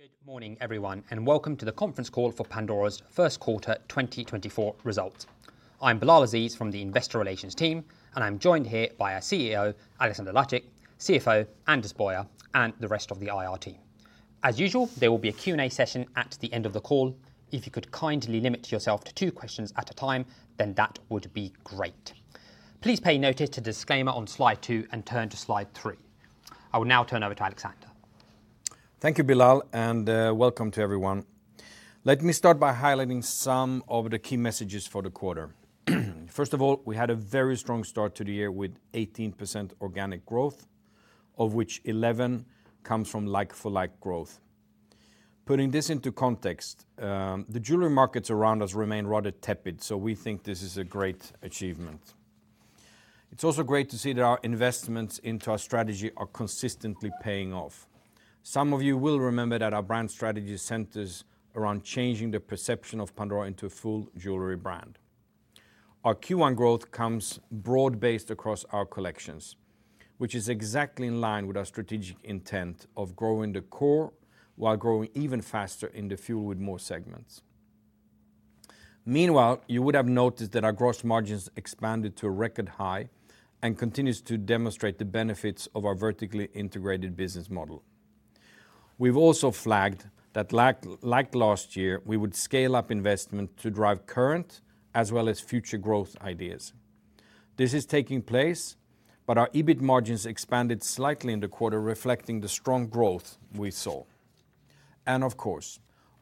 Good morning, everyone, and welcome to the Conference call for Pandora's first quarter 2024 results. I'm Bilal Aziz from the Investor Relations team, and I'm joined here by our CEO, Alexander Lacik, CFO, Anders Boyer, and the rest of the IR team. As ual, there will be a Q&A session at the end of the call. If you could kindly limit yourself to two questions at a time, then that would be great. Please pay notice to the disclaimer on slide two and turn to slide three. I will now turn over to Alexander. Thank you, Bilal, and welcome to everyone. Let me start by highlighting some of the key messages for the quarter. First of all, we had a very strong start to the year, with 18% organic growth, of which 11 comes from like-for-like growth. Putting this into context, the jewelry markets around us remain rather tepid, so we think this is a great achievement. It's also great to see that our investments into our strategy are consistently paying off. Some of you will remember that our brand strategy centers around changing the perception of Pandora into a full jewelry brand. Our Q1 growth comes broad-based across our collections, which is exactly in line with our strategic intent of growing the core, while growing even faster in the future with more segments. Meanwhile, you would have noticed that our gross margins expanded to a record high and continues to demonstrate the benefits of our vertically integrated business model. We've also flagged that like last year, we would scale up investment to drive current as well as future growth ideas. This is taking place, but our EBIT margins expanded slightly in the quarter, reflecting the strong growth we saw. Of course,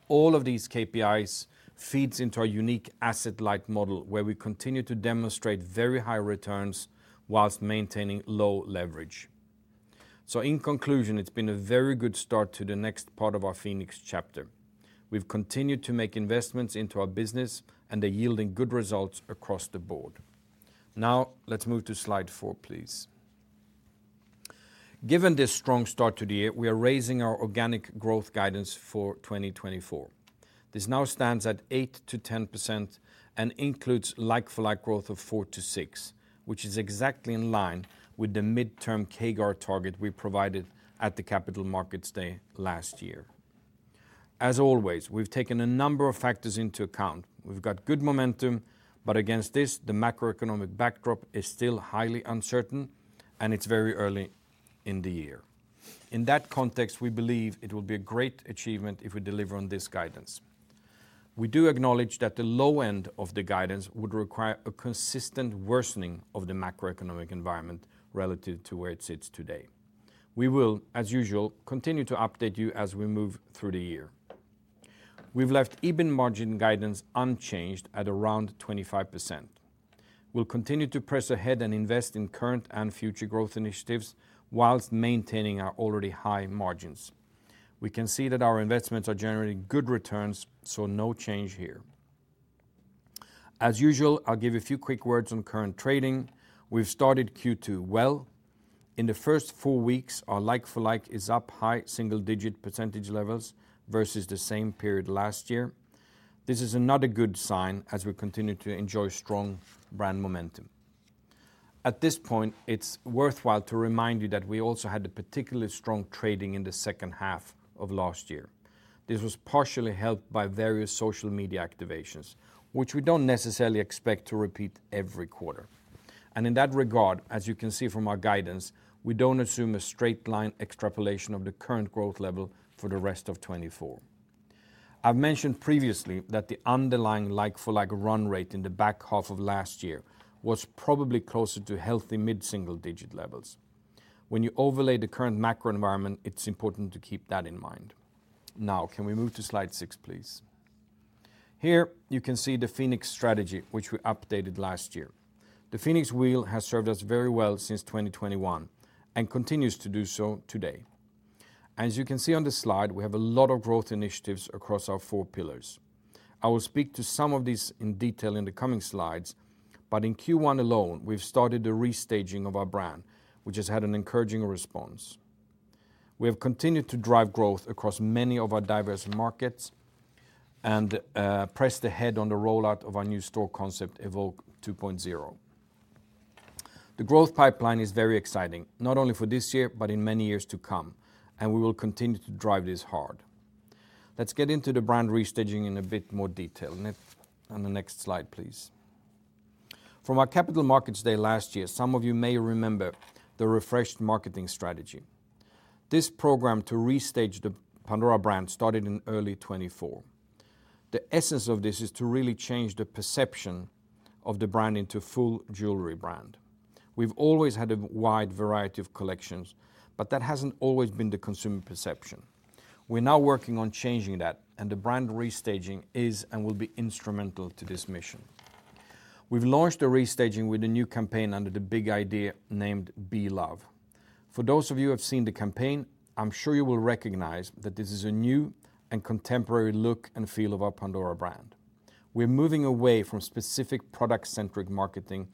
all of these KPIs feeds into our unique asset-light model, where we continue to demonstrate very high returns whilst maintaining low leverage. In conclusion, it's been a very good start to the next part of our Phoenix chapter. We've continued to make investments into our business, and they're yielding good results across the board. Now, let's move to slide 4, please. Given this strong start to the year, we are raising our organic growth guidance for 2024. This now stands at 8%-10% and includes like-for-like growth of 4%-6%, which is exactly in line with the midterm CAGR target we provided at the Capital Markets Day last year. As always, we've taken a number of factors into account. We've got good momentum, but against this, the macroeconomic backdrop is still highly uncertain, and it's very early in the year. In that context, we believe it will be a great achievement if we deliver on this guidance. We do acknowledge that the low end of the guidance would require a consistent worsening of the macroeconomic environment relative to where it sits today. We will, as usual, continue to update you as we move through the year. We've left EBIT margin guidance unchanged at around 25%. We'll continue to press ahead and invest in current and future growth initiatives while maintaining our already high margins. We can see that our investments are generating good returns, so no change here. As usual, I'll give a few quick words on current trading. We've started Q2 well. In the first four weeks, our like-for-like is up high single-digit % levels versus the same period last year. This is another good sign as we continue to enjoy strong brand momentum. At this point, it's worthwhile to remind you that we also had a particularly strong trading in the second half of last year. This was partially helped by various social media activations, which we don't necessarily expect to repeat every quarter. In that regard, as you can see from our guidance, we don't assume a straight-line extrapolation of the current growth level for the rest of 2024. I've mentioned previously that the underlying like-for-like run rate in the back half of last year was probably closer to healthy mid-single-digit levels. When you overlay the current macro environment, it's important to keep that in mind. Now, can we move to slide 6, please? Here, you can see the Phoenix strategy, which we updated last year. The Phoenix wheel has served us very well since 2021 and continues to do so today. As you can see on the slide, we have a lot of growth initiatives across our four pillars. I will speak to some of these in detail in the coming slides, but in Q1 alone, we've started the restaging of our brand, which has had an encouraging response. We have continued to drive growth across many of our diverse markets and, pressed ahead on the rollout of our new store concept, EVOKE 2.0. The growth pipeline is very exciting, not only for this year, but in many years to come, and we will continue to drive this hard. Let's get into the brand restaging in a bit more detail. Next... On the next slide, please. From our Capital Markets Day last year, some of you may remember the refreshed marketing strategy. This program to restage the Pandora brand started in early 2024. The essence of this is to really change the perception of the brand into full jewelry brand. We've always had a wide variety of collections, but that hasn't always been the consumer perception. We're now working on changing that, and the brand restaging is and will be instrumental to this mission. We've launched a restaging with a new campaign under the big idea named BE LOVE. For those of you who have seen the campaign, I'm sure you will recognize that this is a new and contemporary look and feel of our Pandora brand. We're moving away from specific product-centric marketing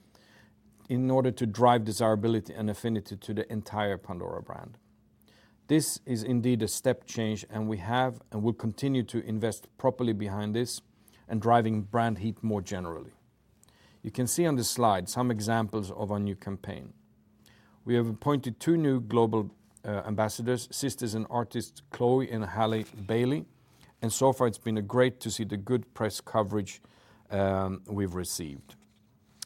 in order to drive desirability and affinity to the entire Pandora brand. This is indeed a step change, and we have and will continue to invest properly behind this and driving brand heat more generally. You can see on the slide some examples of our new campaign. We have appointed two new global ambassadors, sisters and artists, Chloe and Halle Bailey, and so far it's been great to see the good press coverage we've received.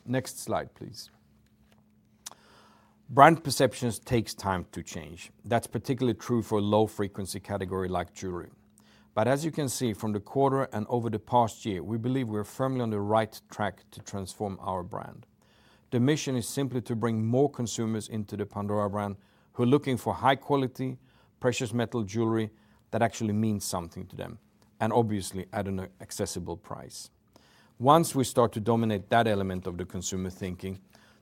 Next slide, please. Brand perceptions takes time to change. That's particularly true for a low-frequency category like jewelry. But as you can see from the quarter and over the past year, we believe we're firmly on the right track to transform our brand. The mission is simply to bring more consumers into the Pandora brand, who are looking for high-quality, precious metal jewelry that actually means something to them, and obviously, at an accessible price. Once we start to dominate that element of the consumer thinking,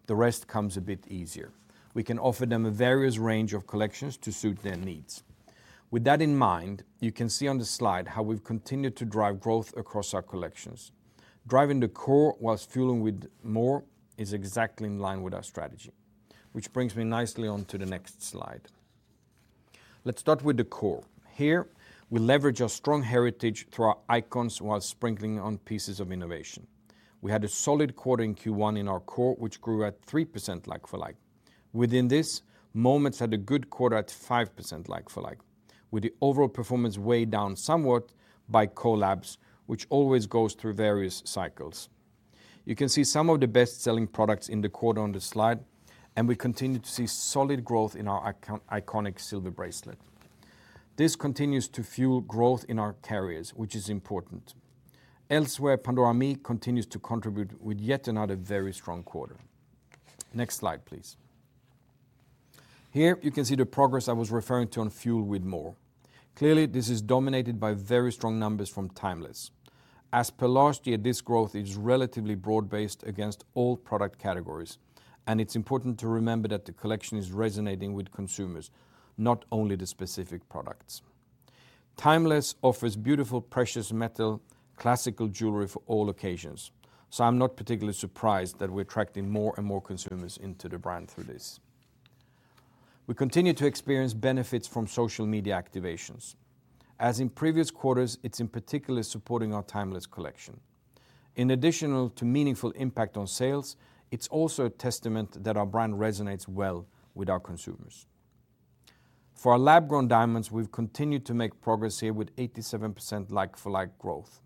the rest comes a bit easier. We can offer them a various range of collections to suit their needs. With that in mind, you can see on the slide how we've continued to drive growth across our collections. Driving the core while fueling with more is exactly in line with our strategy, which brings me nicely onto the next slide. Let's start with the core. Here, we leverage our strong heritage through our icons, while sprinkling on pieces of innovation. We had a solid quarter in Q1 in our core, which grew at 3% like-for-like. Within this, Moments had a good quarter at 5% like-for-like, with the overall performance weighed down somewhat by collabs, which always goes through various cycles. You can see some of the best-selling products in the quarter on the slide, and we continue to see solid growth in our iconic silver bracelet. This continues to fuel growth in our carriers, which is important. Elsewhere, Pandora ME continues to contribute with yet another very strong quarter. Next slide, please. Here, you can see the progress I was referring to on Fuel With More. Clearly, this is dominated by very strong numbers from Timeless. As per last year, this growth is relatively broad-based against all product categories, and it's important to remember that the collection is resonating with consumers, not only the specific products. Timeless offers beautiful, precious metal, classical jewelry for all occasions, so I'm not particularly surprised that we're attracting more and more consumers into the brand through this. We continue to experience benefits from social media activations. As in previous quarters, it's in particular supporting our Timeless collection. In addition to meaningful impact on sales, it's also a testament that our brand resonates well with our consumers. For our lab-grown diamonds, we've continued to make progress here with 87% like-for-like growth.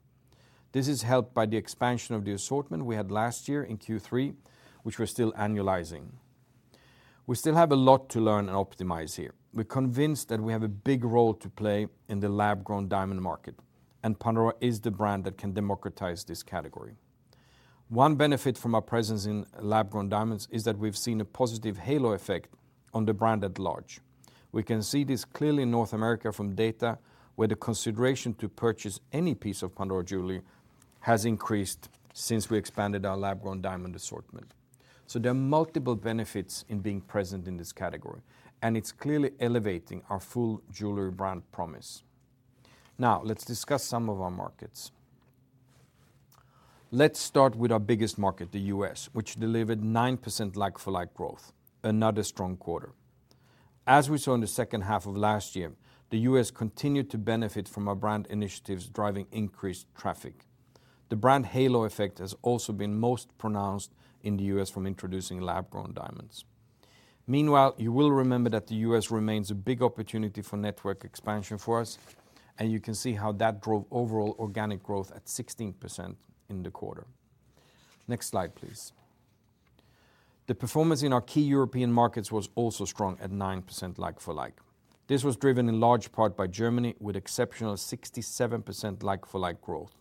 This is helped by the expansion of the assortment we had last year in Q3, which we're still annualizing. We still have a lot to learn and optimize here. We're convinced that we have a big role to play in the lab-grown diamond market, and Pandora is the brand that can democratize this category. One benefit from our presence in lab-grown diamonds is that we've seen a positive halo effect on the brand at large. We can see this clearly in North America from data, where the consideration to purchase any piece of Pandora jewelry has increased since we expanded our lab-grown diamond assortment. So there are multiple benefits in being present in this category, and it's clearly elevating our full jewelry brand promise. Now, let's discuss some of our markets. Let's start with our biggest market, the U.S., which delivered 9% like-for-like growth, another strong quarter. As we saw in the second half of last year, the U.S. continued to benefit from our brand initiatives, driving increased traffic. The brand halo effect has also been most pronounced in the U.S. from introducing lab-grown diamonds. Meanwhile, you will remember that the U.S. remains a big opportunity for network expansion for us, and you can see how that drove overall organic growth at 16% in the quarter. Next slide, please. The performance in our key European markets was also strong at 9% like-for-like. This was driven in large part by Germany, with exceptional 67% like-for-like growth.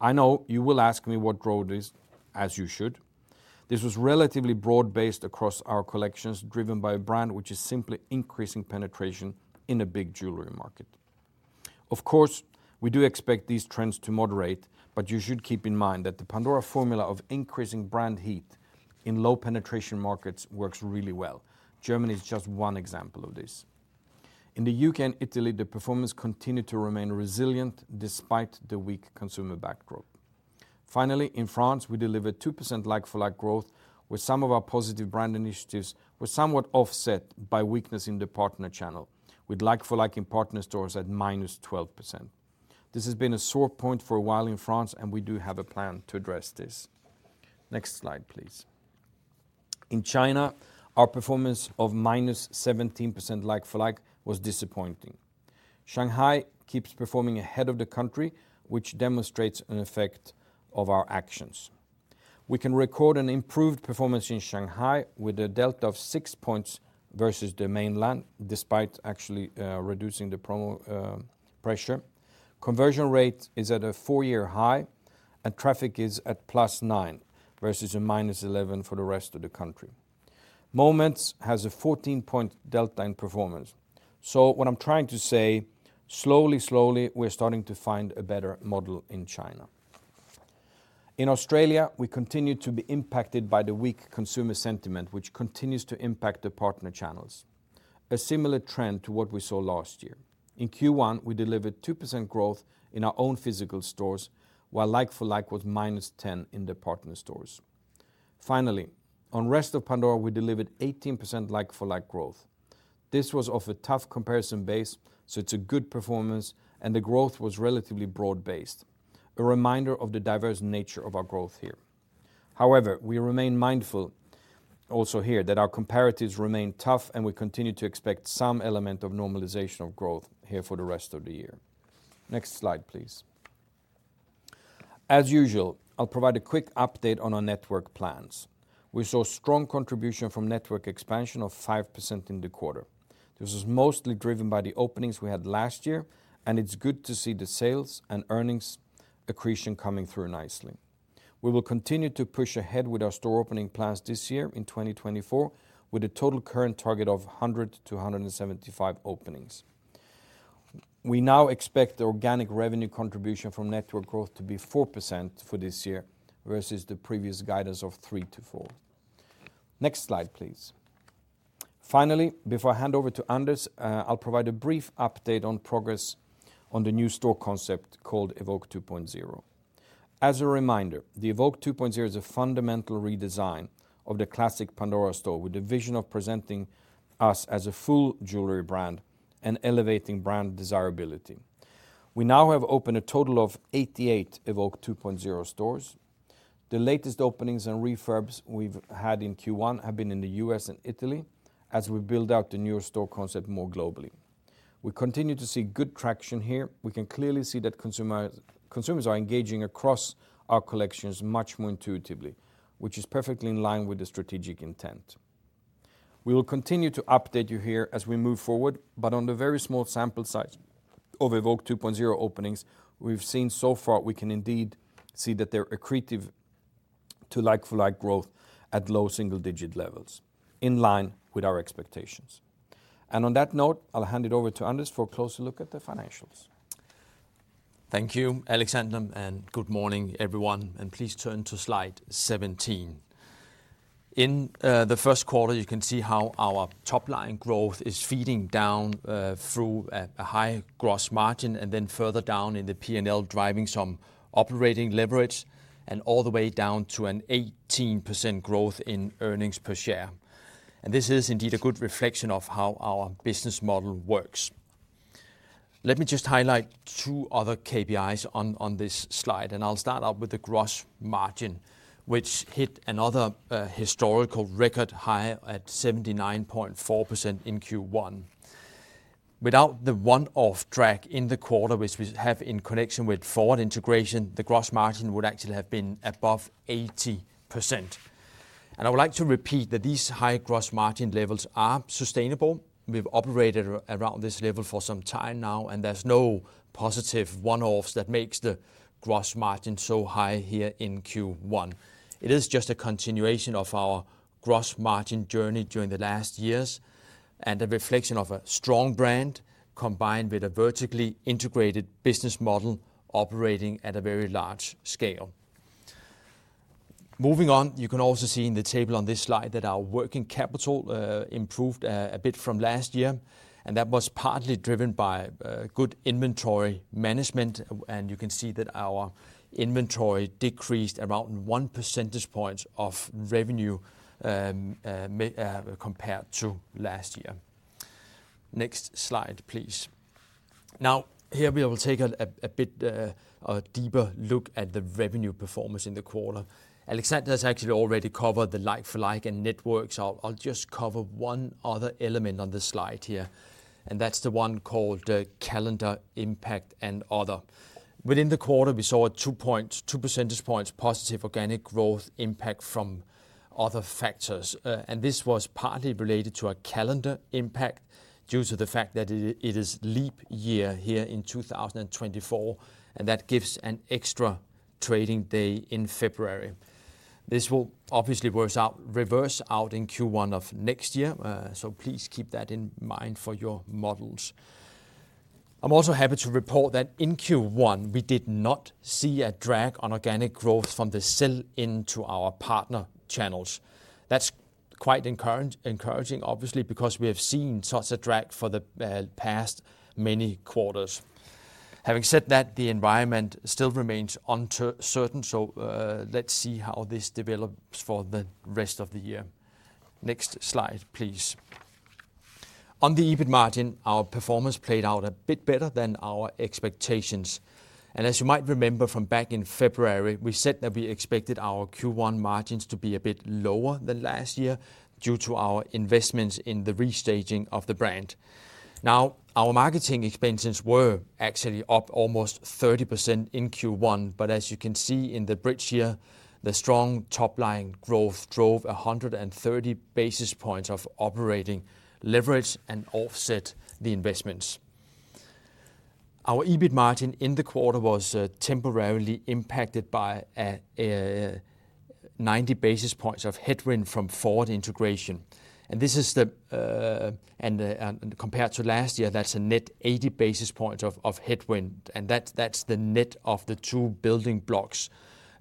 I know you will ask me what growth is, as you should. This was relatively broad-based across our collections, driven by a brand which is simply increasing penetration in a big jewelry market. Of course, we do expect these trends to moderate, but you should keep in mind that the Pandora formula of increasing brand heat in low-penetration markets works really well. Germany is just one example of this. In the UK and Italy, the performance continued to remain resilient despite the weak consumer backdrop. Finally, in France, we delivered 2% like-for-like growth, where some of our positive brand initiatives were somewhat offset by weakness in the partner channel, with like-for-like in partner stores at -12%. This has been a sore point for a while in France, and we do have a plan to address this. Next slide, please. In China, our performance of -17% like-for-like was disappointing. Shanghai keeps performing ahead of the country, which demonstrates an effect of our actions. We can record an improved performance in Shanghai with a delta of six points versus the mainland, despite actually reducing the promo pressure. Conversion rate is at a four-year high, and traffic is at +9, versus a -11 for the rest of the country. Moments has a 14-point delta in performance. So what I'm trying to say, slowly, slowly, we're starting to find a better model in China. In Australia, we continue to be impacted by the weak consumer sentiment, which continues to impact the partner channels, a similar trend to what we saw last year. In Q1, we delivered 2% growth in our own physical stores, while like-for-like was -10% in the partner stores. Finally, on Rest of Pandora, we delivered 18% like-for-like growth. This was off a tough comparison base, so it's a good performance, and the growth was relatively broad-based, a reminder of the diverse nature of our growth here. However, we remain mindful also here that our comparatives remain tough, and we continue to expect some element of normalization of growth here for the rest of the year. Next slide, please. As usual, I'll provide a quick update on our network plans. We saw strong contribution from network expansion of 5% in the quarter. This is mostly driven by the openings we had last year, and it's good to see the sales and earnings accretion coming through nicely. We will continue to push ahead with our store opening plans this year in 2024, with a total current target of 100-175 openings. We now expect the organic revenue contribution from network growth to be 4% for this year, versus the previous guidance of 3%-4%. Next slide, please. Finally, before I hand over to Anders, I'll provide a brief update on progress on the new store concept called EVOKE 2.0. As a reminder, the EVOKE 2.0 is a fundamental redesign of the classic Pandora store, with the vision of presenting us as a full jewelry brand and elevating brand desirability. We now have opened a total of 88 EVOKE 2.0 stores. The latest openings and refurbs we've had in Q1 have been in the U.S. and Italy, as we build out the newer store concept more globally. We continue to see good traction here. We can clearly see that consumers are engaging across our collections much more intuitively, which is perfectly in line with the strategic intent. We will continue to update you here as we move forward, but on the very small sample size of EVOKE 2.0 openings we've seen so far, we can indeed see that they're accretive to like-for-like growth at low single-digit levels, in line with our expectations. On that note, I'll hand it over to Anders for a closer look at the financials. Thank you, Alexander, and good morning, everyone, and please turn to slide 17. In the first quarter, you can see how our top-line growth is feeding down through a high gross margin and then further down in the PNL, driving some operating leverage and all the way down to an 18% growth in earnings per share. And this is indeed a good reflection of how our business model works. Let me just highlight two other KPIs on this slide, and I'll start out with the gross margin, which hit another historical record high at 79.4% in Q1. Without the one-off drag in the quarter, which we have in connection with forward integration, the gross margin would actually have been above 80%. And I would like to repeat that these high gross margin levels are sustainable. We've operated around this level for some time now, and there's no positive one-offs that makes the gross margin so high here in Q1. It is just a continuation of our gross margin journey during the last years and a reflection of a strong brand, combined with a vertically integrated business model operating at a very large scale. Moving on, you can also see in the table on this slide that our working capital improved a bit from last year, and that was partly driven by good inventory management. You can see that our inventory decreased around one percentage point of revenue compared to last year. Next slide, please. Now, here we will take a bit a deeper look at the revenue performance in the quarter. Alexander has actually already covered the like-for-like and networks. I'll just cover one other element on this slide here, and that's the one called Calendar Impact and Other. Within the quarter, we saw a 2.2 percentage points positive organic growth impact from other factors, and this was partly related to a calendar impact due to the fact that it is leap year here in 2024, and that gives an extra trading day in February. This will obviously reverse out in Q1 of next year, so please keep that in mind for your models. I'm also happy to report that in Q1, we did not see a drag on organic growth from the sell into our partner channels. That's quite encouraging, obviously, because we have seen such a drag for the past many quarters. Having said that, the environment still remains uncertain, so, let's see how this develops for the rest of the year. Next slide, please. On the EBIT margin, our performance played out a bit better than our expectations, and as you might remember from back in February, we said that we expected our Q1 margins to be a bit lower than last year due to our investments in the restaging of the brand. Now, our marketing expenses were actually up almost 30% in Q1, but as you can see in the bridge here, the strong top-line growth drove 130 basis points of operating leverage and offset the investments. Our EBIT margin in the quarter was temporarily impacted by a 90 basis points of headwind from forward integration, and this is the. Compared to last year, that's a net 80 basis points of headwind, and that's the net of the two building blocks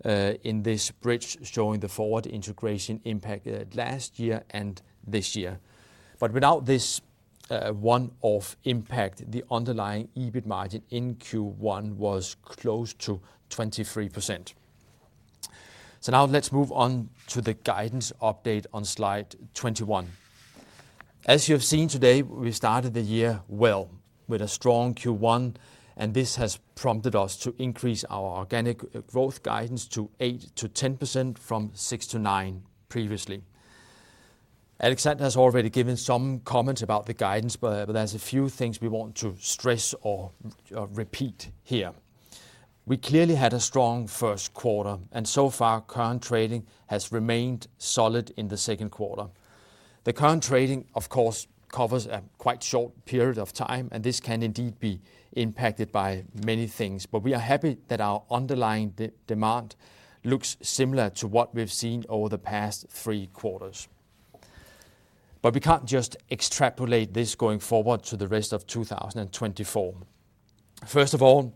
in this bridge, showing the forward integration impact last year and this year. But without this one-off impact, the underlying EBIT margin in Q1 was close to 23%.... So now let's move on to the guidance update on slide 21. As you have seen today, we started the year well, with a strong Q1, and this has prompted us to increase our organic growth guidance to 8%-10% from 6%-9% previously. Alexander has already given some comments about the guidance, but there's a few things we want to stress or repeat here. We clearly had a strong first quarter, and so far, current trading has remained solid in the second quarter. The current trading, of course, covers a quite short period of time, and this can indeed be impacted by many things. But we are happy that our underlying demand looks similar to what we've seen over the past three quarters. But we can't just extrapolate this going forward to the rest of 2024. First of all,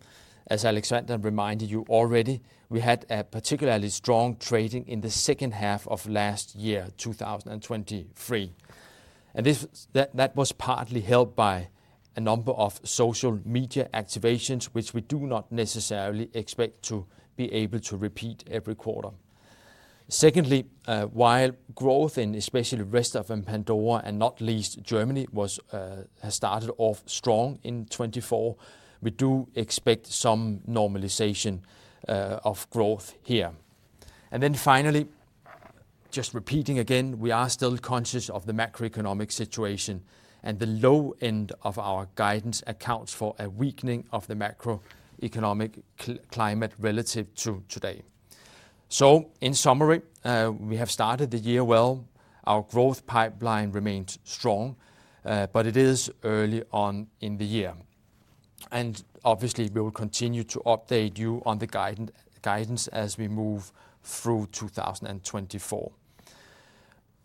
as Alexander reminded you already, we had a particularly strong trading in the second half of last year, 2023, and this was partly helped by a number of social media activations, which we do not necessarily expect to be able to repeat every quarter. Secondly, while growth in especially rest of Pandora and not least Germany has started off strong in 2024, we do expect some normalization of growth here. Then finally, just repeating again, we are still conscious of the macroeconomic situation, and the low end of our guidance accounts for a weakening of the macroeconomic climate relative to today. So in summary, we have started the year well. Our growth pipeline remains strong, but it is early on in the year, and obviously, we will continue to update you on the guidance as we move through 2024.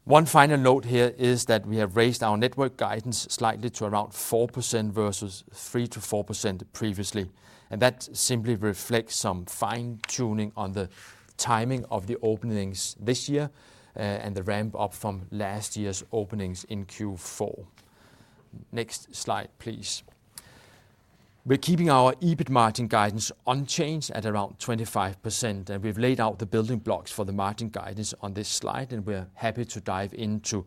One final note here is that we have raised our network guidance slightly to around 4% versus 3%-4% previously, and that simply reflects some fine-tuning on the timing of the openings this year, and the ramp up from last year's openings in Q4. Next slide, please. We're keeping our EBIT margin guidance unchanged at around 25%, and we've laid out the building blocks for the margin guidance on this slide, and we're happy to dive into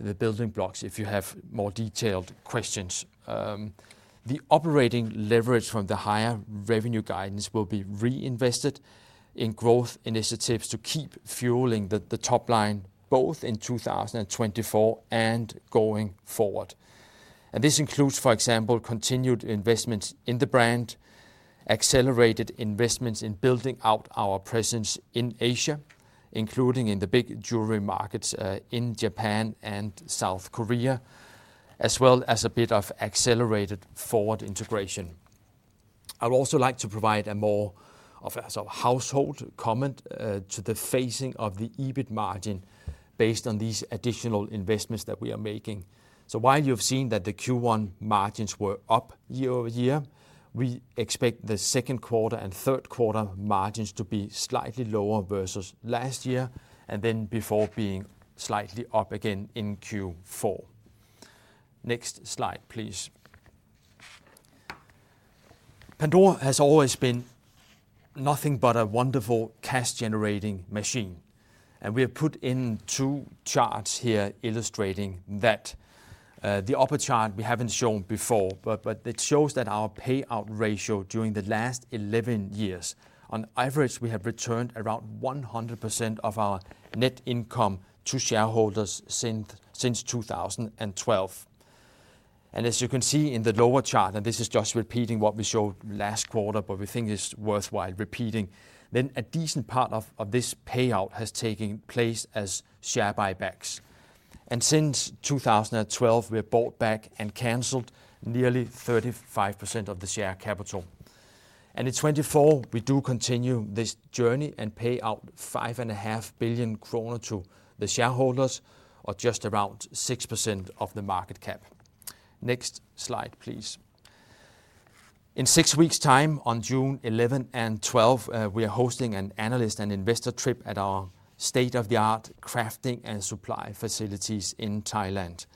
the building blocks if you have more detailed questions. The operating leverage from the higher revenue guidance will be reinvested in growth initiatives to keep fueling the top line, both in 2024 and going forward. And this includes, for example, continued investments in the brand, accelerated investments in building out our presence in Asia, including in the big jewelry markets in Japan and South Korea, as well as a bit of accelerated forward integration. I'd also like to provide a more of a sort of high-level comment to the phasing of the EBIT margin based on these additional investments that we are making. So while you've seen that the Q1 margins were up year over year, we expect the second quarter and third quarter margins to be slightly lower versus last year, and then before being slightly up again in Q4. Next slide, please. Pandora has always been nothing but a wonderful cash-generating machine, and we have put in two charts here illustrating that. The upper chart we haven't shown before, but it shows that our payout ratio during the last 11 years, on average, we have returned around 100% of our net income to shareholders since 2012. And as you can see in the lower chart, and this is just repeating what we showed last quarter, but we think it's worthwhile repeating, then a decent part of this payout has taken place as share buybacks. Since 2012, we have bought back and canceled nearly 35% of the share capital. In 2024, we do continue this journey and pay out 5.5 billion kroner to the shareholders, or just around 6% of the market cap. Next slide, please. In 6 weeks' time, on June 11 and 12, we are hosting an analyst and investor trip at our state-of-the-art crafting and supply facilities in Thailand.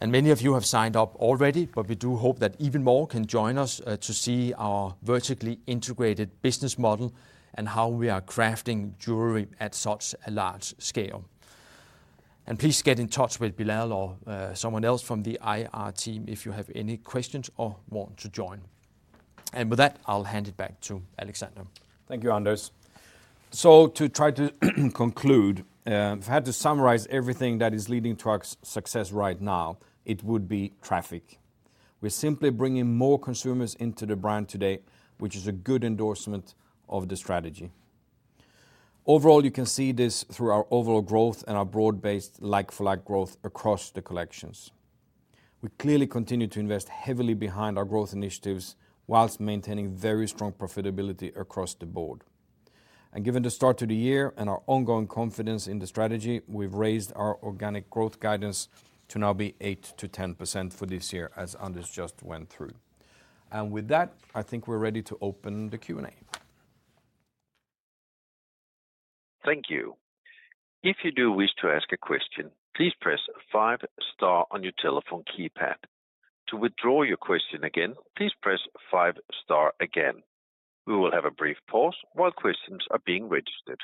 Many of you have signed up already, but we do hope that even more can join us to see our vertically integrated business model and how we are crafting jewelry at such a large scale. Please get in touch with Bilal or someone else from the IR team if you have any questions or want to join. With that, I'll hand it back to Alexander. Thank you, Anders. So to try to conclude, if I had to summarize everything that is leading to our success right now, it would be traffic. We're simply bringing more consumers into the brand today, which is a good endorsement of the strategy. Overall, you can see this through our overall growth and our broad-based like-for-like growth across the collections. We clearly continue to invest heavily behind our growth initiatives whilst maintaining very strong profitability across the board. And given the start to the year and our ongoing confidence in the strategy, we've raised our organic growth guidance to now be 8%-10% for this year, as Anders just went through. And with that, I think we're ready to open the Q&A. Thank you. If you do wish to ask a question, please press five star on your telephone keypad. To withdraw your question again, please press five star again. We will have a brief pause while questions are being registered.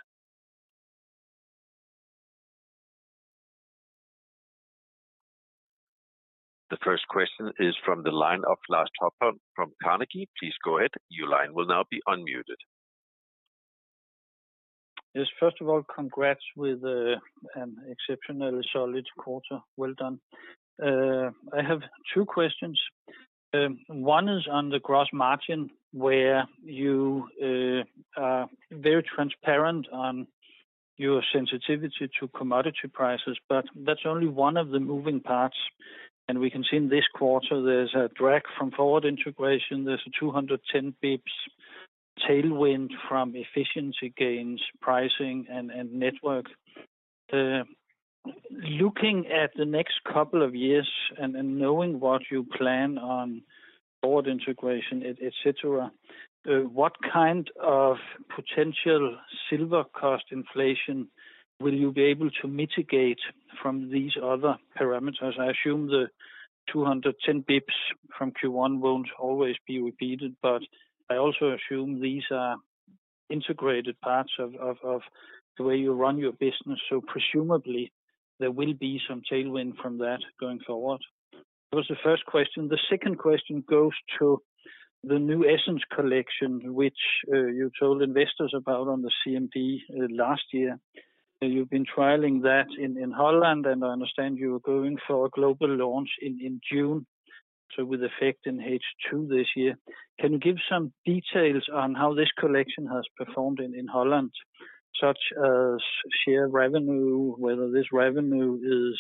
The first question is from the line of Lars Topholm from Carnegie. Please go ahead. Your line will now be unmuted. Yes, first of all, congrats with an exceptionally solid quarter. Well done. I have two questions. One is on the gross margin, where you are very transparent on your sensitivity to commodity prices, but that's only one of the moving parts, and we can see in this quarter there's a drag from forward integration. There's a 210 basis points tailwind from efficiency gains, pricing, and network. Looking at the next couple of years and knowing what you plan on forward integration, etc., what kind of potential silver cost inflation will you be able to mitigate from these other parameters? I assume the 210 basis points from Q1 won't always be repeated, but I also assume these are integrated parts of the way you run your business, so presumably there will be some tailwind from that going forward. That was the first question. The second question goes to the new Essence collection, which you told investors about on the CMD last year. And you've been trialing that in Holland, and I understand you're going for a global launch in June, so with effect in H2 this year. Can you give some details on how this collection has performed in Holland, such as share revenue, whether this revenue is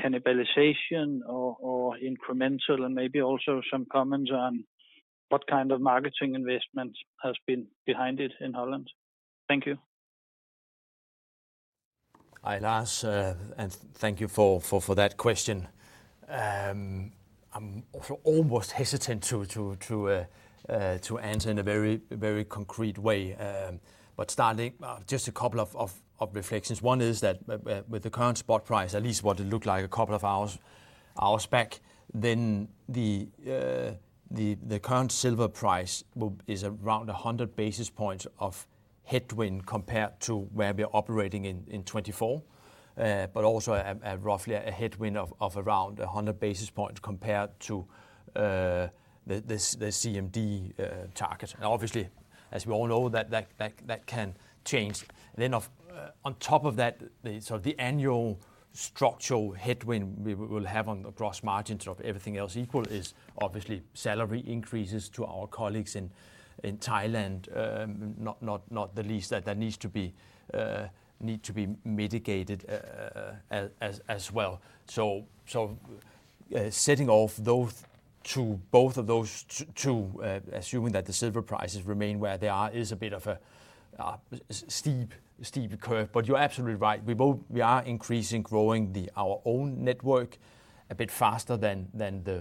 cannibalization or incremental, and maybe also some comments on what kind of marketing investment has been behind it in Holland? Thank you. Hi, Lars, and thank you for that question. I'm almost hesitant to answer in a very concrete way. But starting just a couple of reflections. One is that with the current spot price, at least what it looked like a couple of hours back, then the current silver price is around 100 basis points of headwind compared to where we're operating in 2024. But also roughly a headwind of around 100 basis points compared to the CMD target. Now, obviously, as we all know, that can change. Then of. On top of that, so the annual structural headwind we'll have on the gross margins, all else equal, is obviously salary increases to our colleagues in Thailand, not the least, that needs to be mitigated as well. So, setting off those two, both of those two, assuming that the silver prices remain where they are, is a bit of a steep curve. But you're absolutely right, we are increasing our own network a bit faster than the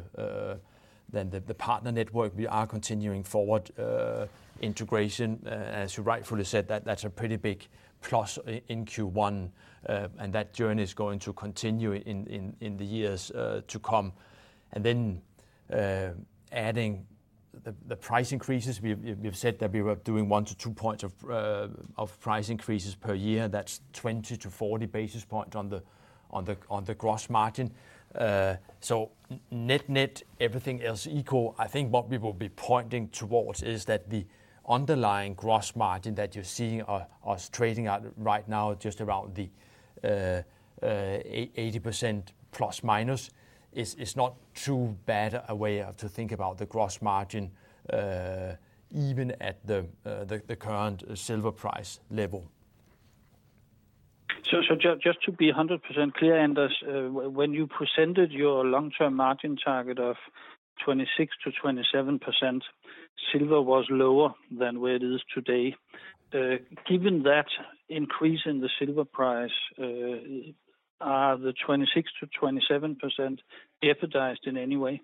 partner network. We are continuing forward integration. As you rightfully said, that's a pretty big plus in Q1, and that journey is going to continue in the years to come. Then, adding the price increases, we've said that we were doing 1-2 points of price increases per year. That's 20 basis points-40 basis points on the gross margin. So net-net, everything else equal, I think what we will be pointing towards is that the underlying gross margin that you're seeing is trading at right now, just around 80% ±, is not too bad a way to think about the gross margin, even at the current silver price level. So, just to be 100% clear, Anders, when you presented your long-term margin target of 26%-27%, silver was lower than where it is today. Given that increase in the silver price, are the 26%-27% jeopardized in any way?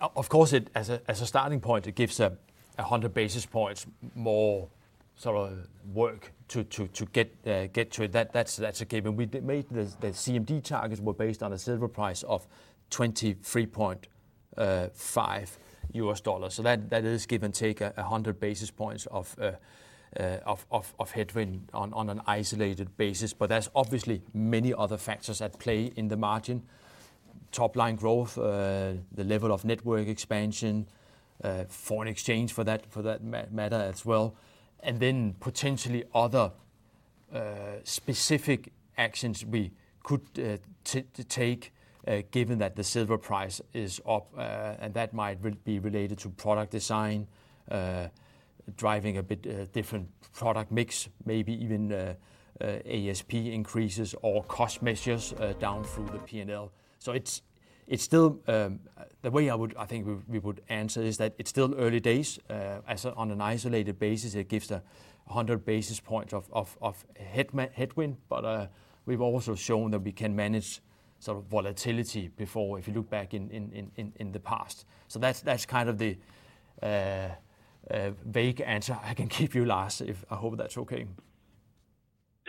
Of course, as a starting point, it gives 100 basis points more sort of work to get to it. That's okay. But we made the CMD targets were based on a silver price of $23.5. So that is give and take 100 basis points of headwind on an isolated basis. But there's obviously many other factors at play in the margin: top line growth, the level of network expansion, foreign exchange for that matter as well, and then potentially other specific actions we could take, given that the silver price is up, and that might be related to product design, driving a bit different product mix, maybe even ASP increases or cost measures down through the PNL. So it's still the way I would, I think we would answer is that it's still early days. As on an isolated basis, it gives 100 basis points of headwind, but we've also shown that we can manage sort of volatility before, if you look back in the past. So that's, that's kind of the vague answer I can give you, Lars, if... I hope that's okay.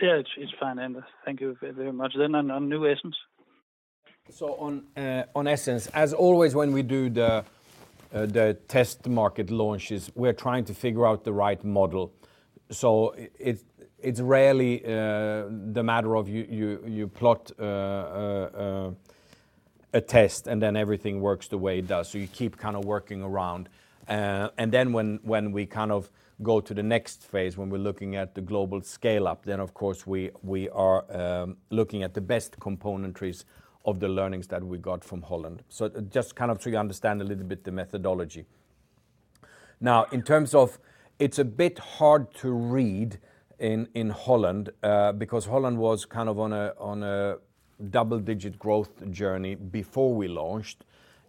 Yeah, it's, it's fine, Anders. Thank you very, very much. Then on, on new Essence? So on Essence, as always when we do the test market launches, we're trying to figure out the right model. So it, it's rarely the matter of you plot a test, and then everything works the way it does. So you keep kind of working around. And then when we kind of go to the next phase, when we're looking at the global scale-up, then, of course, we are looking at the best componentries of the learnings that we got from Holland. So just kind of so you understand a little bit the methodology. Now, in terms of... It's a bit hard to read in Holland, because Holland was kind of on a double-digit growth journey before we launched.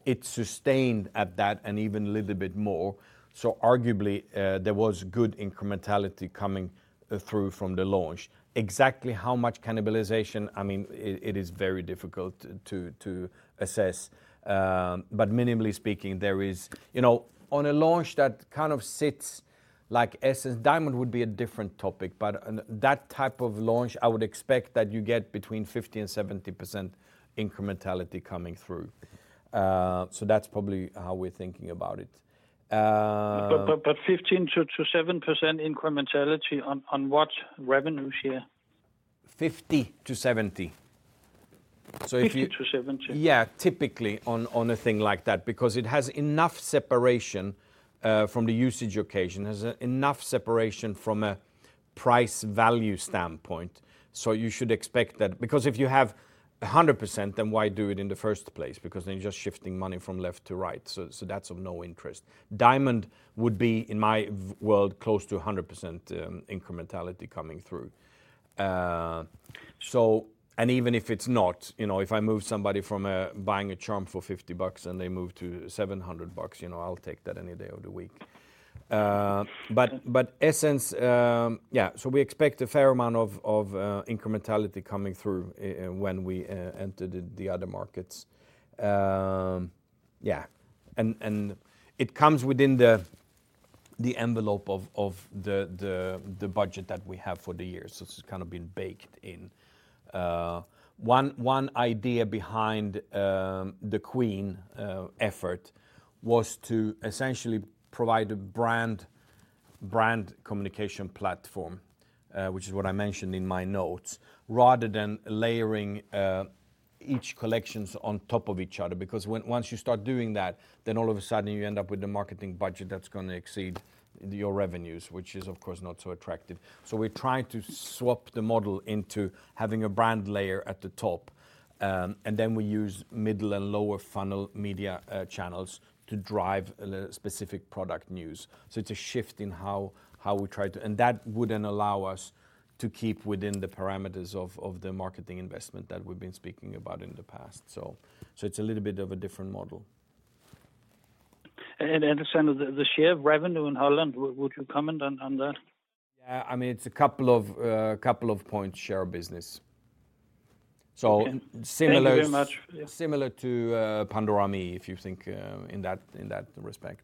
It sustained at that and even a little bit more. So arguably, there was good incrementality coming through from the launch. Exactly how much cannibalization, I mean, it is very difficult to assess. But minimally speaking, there is, you know, on a launch that kind of sits, like Essence Diamond would be a different topic, but on that type of launch, I would expect that you get between 50% and 70% incrementality coming through. So that's probably how we're thinking about it. But 15%-7% incrementality on what revenues here? 50%-70%. So if you- 50%-70%? Yeah, typically on a thing like that, because it has enough separation from the usage occasion. It has enough separation from a price value standpoint, so you should expect that. Because if you have 100%, then why do it in the first place? Because then you're just shifting money from left to right, so that's of no interest. Diamond would be, in my world, close to 100% incrementality coming through. So... And even if it's not, you know, if I move somebody from buying a charm for $50 and they move to $700, you know, I'll take that any day of the week. But Essence, yeah, so we expect a fair amount of incrementality coming through when we enter the other markets. Yeah, and it comes within the envelope of the budget that we have for the year, so it's kind of been baked in. One idea behind the BE LOVE effort was to essentially provide a brand communication platform, which is what I mentioned in my notes, rather than layering each collections on top of each other. Because once you start doing that, then all of a sudden you end up with a marketing budget that's gonna exceed your revenues, which is, of course, not so attractive. So we're trying to swap the model into having a brand layer at the top, and then we use middle and lower funnel media channels to drive the specific product news. So it's a shift in how we try to and that would then allow us to keep within the parameters of the marketing investment that we've been speaking about in the past. So it's a little bit of a different model. And so the share of revenue in Holland, would you comment on that? Yeah. I mean, it's a couple of points share of business. Okay. So similar. Thank you very much. Similar to Pandora ME, if you think in that, in that respect.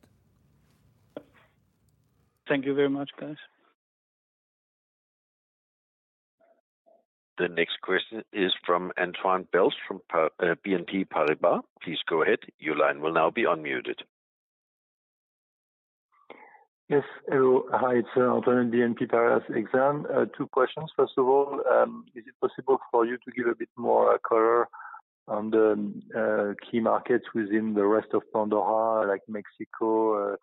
Thank you very much, guys. The next question is from Antoine Belge from BNP Paribas. Please go ahead. Your line will now be unmuted. Yes. Hello, hi, it's Antoine at BNP Paribas Exane. Two questions. First of all, is it possible for you to give a bit more color on the key markets within the rest of Pandora, like Mexico,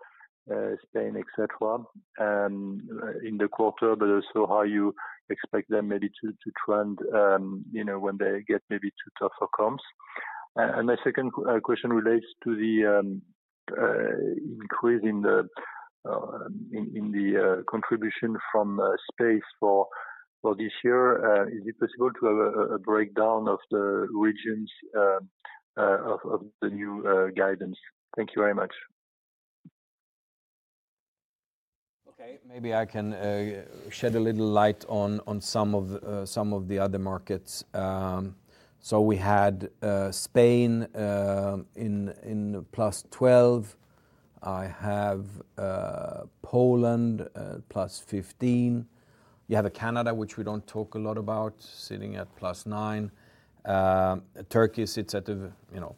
Spain, et cetera, in the quarter, but also how you expect them maybe to trend, you know, when they get maybe to tougher comps? And my second question relates to the increase in the contribution from Space for this year. Is it possible to have a breakdown of the regions of the new guidance? Thank you very much. Okay. Maybe I can shed a little light on some of the other markets. So we had Spain in +12. I have Poland +15. You have Canada, which we don't talk a lot about, sitting at +9. Turkey sits at a, you know,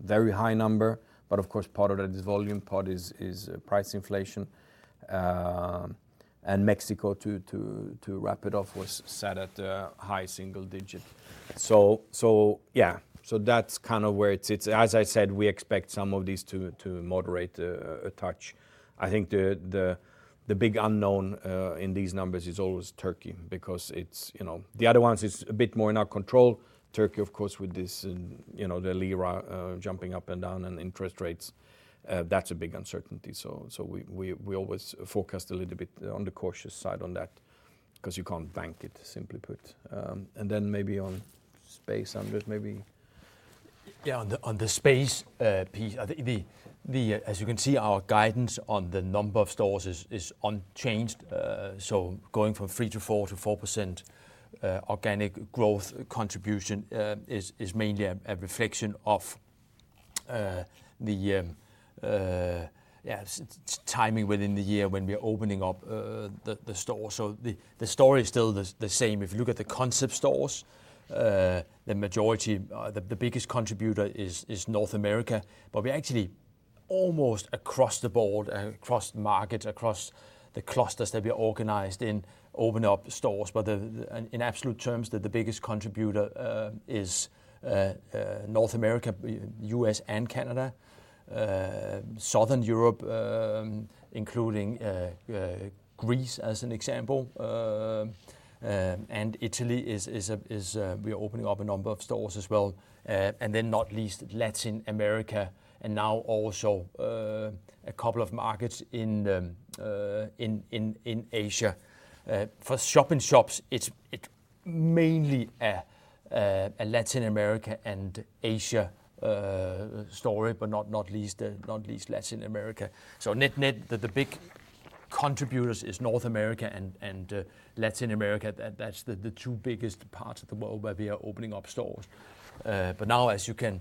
very high number, but of course, part of that is volume, part is price inflation. And Mexico, to wrap it off, was sat at a high single digit. So yeah. So that's kind of where it sits. As I said, we expect some of these to moderate a touch. I think the big unknown in these numbers is always Turkey, because it's... You know, the other ones is a bit more in our control. Turkey, of course, with this, you know, the lira jumping up and down, and interest rates, that's a big uncertainty. So we always forecast a little bit on the cautious side on that, 'cause you can't bank it, simply put. And then maybe on Space, Anders, maybe? Yeah, on the Space piece, I think, as you can see, our guidance on the number of stores is unchanged. So going from 3%-4% organic growth contribution is mainly a reflection of the timing within the year when we are opening up the store. So the story is still the same. If you look at the concept stores, the majority, the biggest contributor is North America. But we actually almost across the board, across markets, across the clusters that we are organized in, open up stores. But the, in absolute terms, the biggest contributor is North America, U.S. and Canada. Southern Europe, including Greece, as an example, and Italy is a—we are opening up a number of stores as well. And then not least, Latin America, and now also a couple of markets in Asia. For shop-in-shops, it's mainly a Latin America and Asia story, but not least Latin America. So net-net, the big contributors is North America and Latin America. That's the two biggest parts of the world where we are opening up stores. But now as you can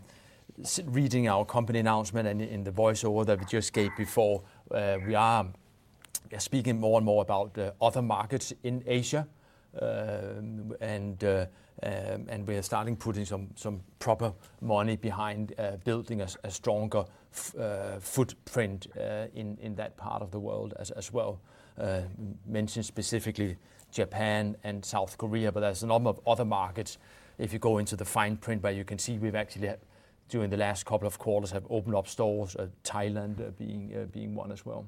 see reading our company announcement and in the voiceover that we just gave before, we are speaking more and more about the other markets in Asia. And we are starting putting some proper money behind building a stronger footprint in that part of the world as well. Mentioned specifically Japan and South Korea, but there's a number of other markets. If you go into the fine print where you can see we've actually, during the last couple of quarters, have opened up stores, Thailand being one as well.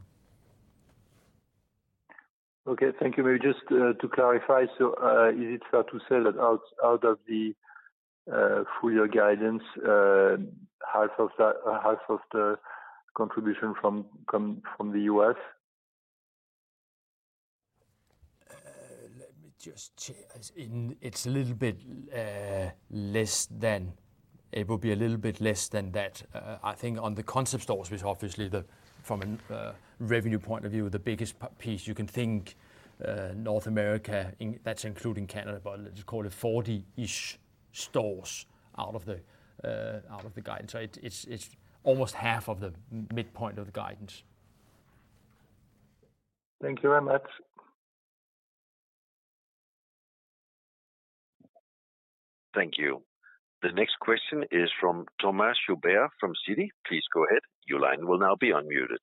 Okay, thank you very much. Just to clarify, so is it fair to say that out of the full year guidance, half of the contribution comes from the US? Let me just check. As in, it's a little bit less than. It will be a little bit less than that. I think on the concept stores, which obviously, from a revenue point of view, the biggest piece you can think, North America, that's including Canada, but let's just call it 40-ish stores out of the guidance. So it's almost half of the midpoint of the guidance. Thank you very much. Thank you. The next question is from Thomas Chauvet from Citi. Please go ahead. Your line will now be unmuted.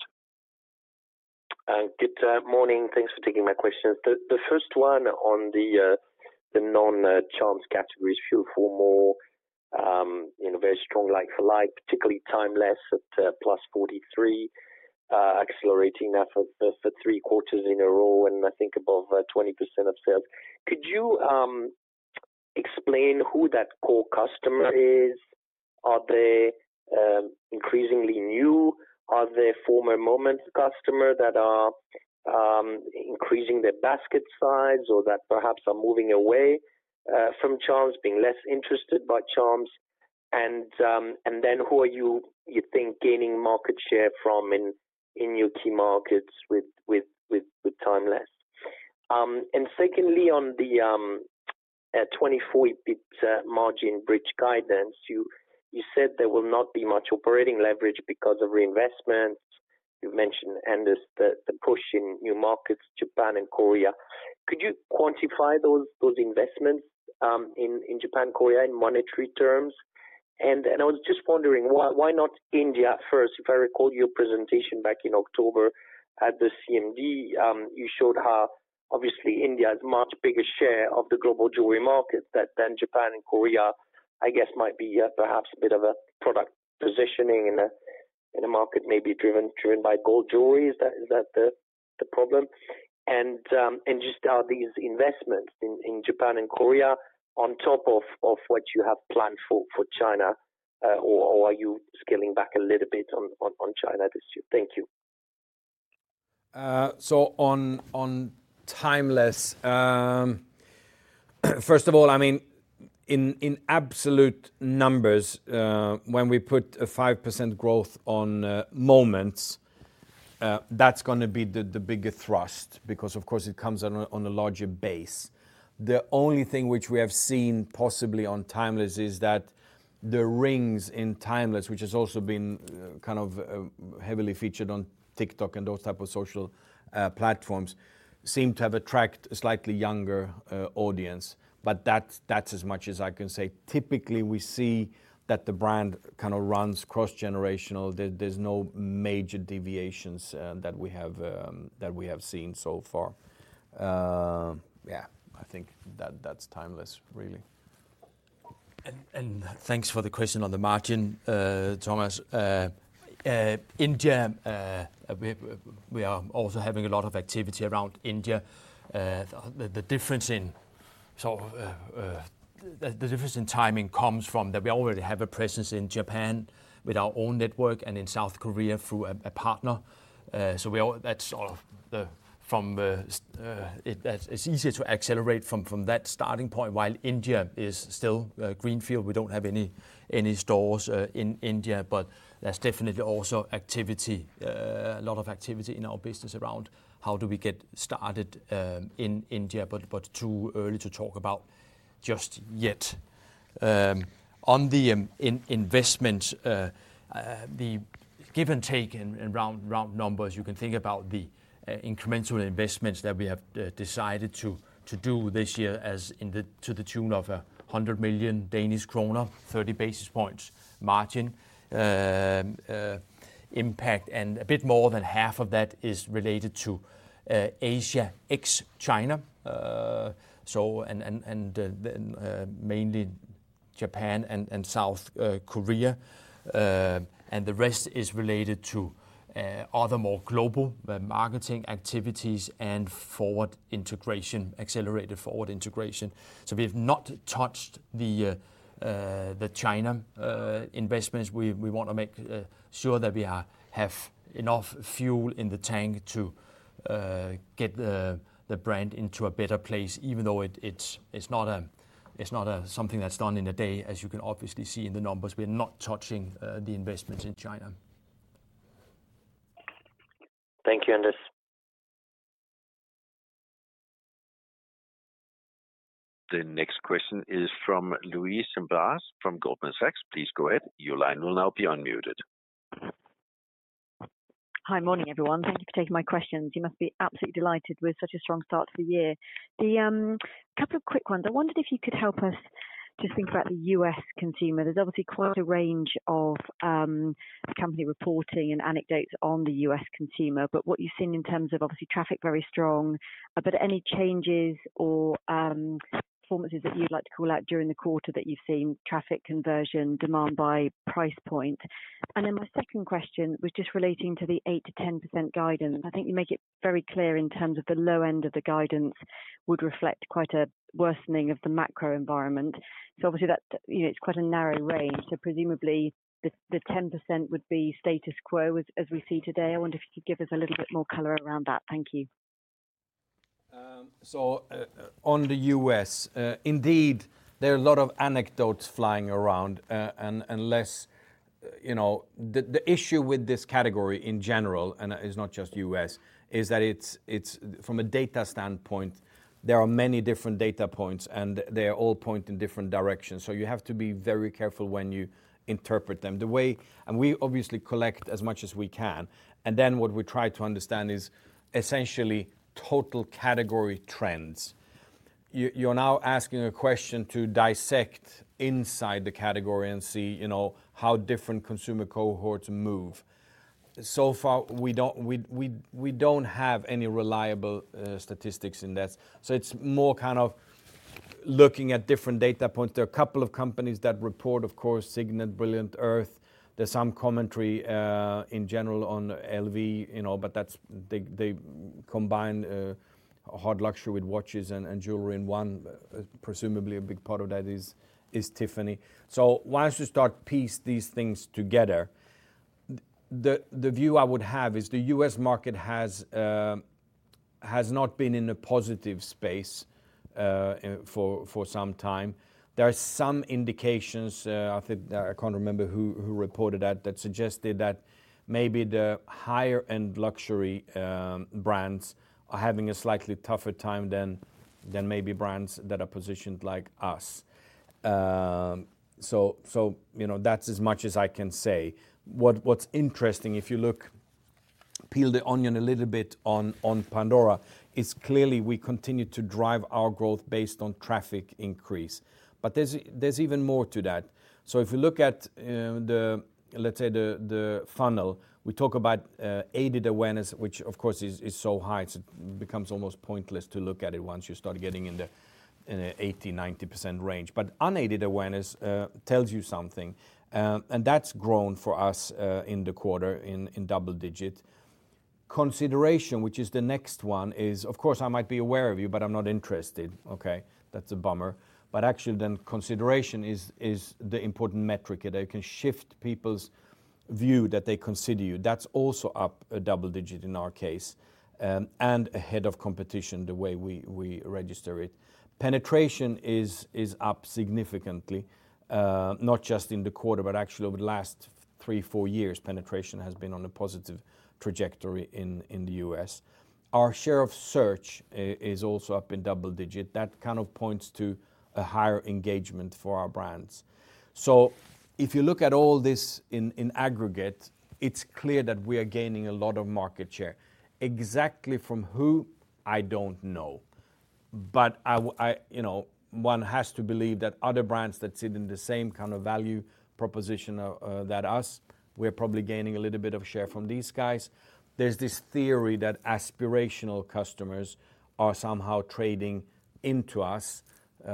Good morning. Thanks for taking my questions. The first one on the non-charms categories, Fuel with More, you know, very strong like-for-like, particularly Timeless at +43%, accelerating now for 3 quarters in a row, and I think above 20% of sales. Could you explain who that core customer is? Are they increasingly new? Are they former Moments customer that are increasing their basket size, or that perhaps are moving away from charms, being less interested by charms? And then who are you, you think, gaining market share from in your key markets with Timeless? And secondly, on the 2024 margin bridge guidance, you said there will not be much operating leverage because of reinvestments. You mentioned, Anders, the push in new markets, Japan and Korea. Could you quantify those investments in Japan, Korea, in monetary terms? And I was just wondering, why not India first? If I recall your presentation back in October at the CMD, you showed how obviously India has much bigger share of the global jewelry market than Japan and Korea, I guess might be perhaps a bit of a product positioning in a market maybe driven by gold jewelry. Is that the problem? And just are these investments in Japan and Korea on top of what you have planned for China, or are you scaling back a little bit on China this year? Thank you. So on Timeless, first of all, I mean, in absolute numbers, when we put a 5% growth on Moments, that's gonna be the bigger thrust, because of course it comes on a larger base. The only thing which we have seen possibly on Timeless is that the rings in Timeless, which has also been kind of heavily featured on TikTok and those type of social platforms, seem to have attract a slightly younger audience. But that's as much as I can say. Typically, we see that the brand kind of runs cross-generational. There's no major deviations that we have that we have seen so far. Yeah, I think that's Timeless, really. Thanks for the question on the margin, Thomas. India, we are also having a lot of activity around India. The difference in timing comes from that we already have a presence in Japan with our own network and in South Korea through a partner. So that's sort of from that it's easier to accelerate from that starting point, while India is still greenfield. We don't have any stores in India, but there's definitely also a lot of activity in our business around how do we get started in India, but too early to talk about just yet. On the investments, the give and take and round numbers, you can think about the incremental investments that we have decided to do this year, as in the to the tune of 100 million Danish kroner, 30 basis points margin impact, and a bit more than half of that is related to Asia ex China. So and, and then mainly Japan and South Korea. And the rest is related to other more global marketing activities and forward integration, accelerated forward integration. So we've not touched the China investments. We want to make sure that we have enough fuel in the tank to get the brand into a better place, even though it's not something that's done in a day, as you can obviously see in the numbers. We're not touching the investments in China. Thank you, Anders. The next question is from Louise Singlehurst from Goldman Sachs Group, Inc.. Hi. Morning, everyone. Thank you for taking my questions. You must be absolutely delighted with such a strong start to the year. The couple of quick ones, I wondered if you could help us just think about the U.S. consumer. There's obviously quite a range of company reporting and anecdotes on the U.S. consumer, but what you've seen in terms of obviously traffic, very strong, but any changes or performances that you'd like to call out during the quarter that you've seen, traffic conversion, demand by price point? And then my second question was just relating to the 8%-10% guidance. I think you make it very clear in terms of the low end of the guidance would reflect quite a worsening of the macro environment. So obviously, you know, it's quite a narrow range, so presumably, the 10% would be status quo as we see today. I wonder if you could give us a little bit more color around that. Thank you. So, on the U.S., indeed, there are a lot of anecdotes flying around, and unless, you know... The issue with this category in general, and it's not just U.S., is that it's from a data standpoint, there are many different data points, and they all point in different directions, so you have to be very careful when you interpret them. The way, and we obviously collect as much as we can, and then what we try to understand is essentially total category trends. You're now asking a question to dissect inside the category and see, you know, how different consumer cohorts move. So far, we don't have any reliable statistics in that. So it's more kind of looking at different data points. There are a couple of companies that report, of course,, Brilliant Earth. There's some commentary in general on LV, you know, but that's, they, they combine hard luxury with watches and jewelry in one. Presumably, a big part of that is Tiffany. So once you start piecing these things together, the view I would have is the U.S. market has not been in a positive space for some time. There are some indications, I think I can't remember who reported that, that suggested that maybe the higher-end luxury brands are having a slightly tougher time than maybe brands that are positioned like us. So, you know, that's as much as I can say. What's interesting, if you look, peel the onion a little bit on Pandora, is clearly we continue to drive our growth based on traffic increase, but there's even more to that. So if you look at, let's say, the funnel, we talk about aided awareness, which of course is so high, it becomes almost pointless to look at it once you start getting in the 80%-90% range. But unaided awareness tells you something, and that's grown for us in the quarter in double digit. Consideration, which is the next one, is, of course, I might be aware of you, but I'm not interested, okay? That's a bummer. But actually, then consideration is the important metric. It can shift people's view that they consider you. That's also up a double digit in our case, and ahead of competition, the way we register it. Penetration is up significantly, not just in the quarter, but actually over the last three, four years, penetration has been on a positive trajectory in the U.S. Our share of search is also up in double digit. That kind of points to a higher engagement for our brands. So if you look at all this in aggregate, it's clear that we are gaining a lot of market share. Exactly from who? I don't know. But I, you know, one has to believe that other brands that sit in the same kind of value proposition, that us, we're probably gaining a little bit of share from these guys. There's this theory that aspirational customers are somehow trading into us.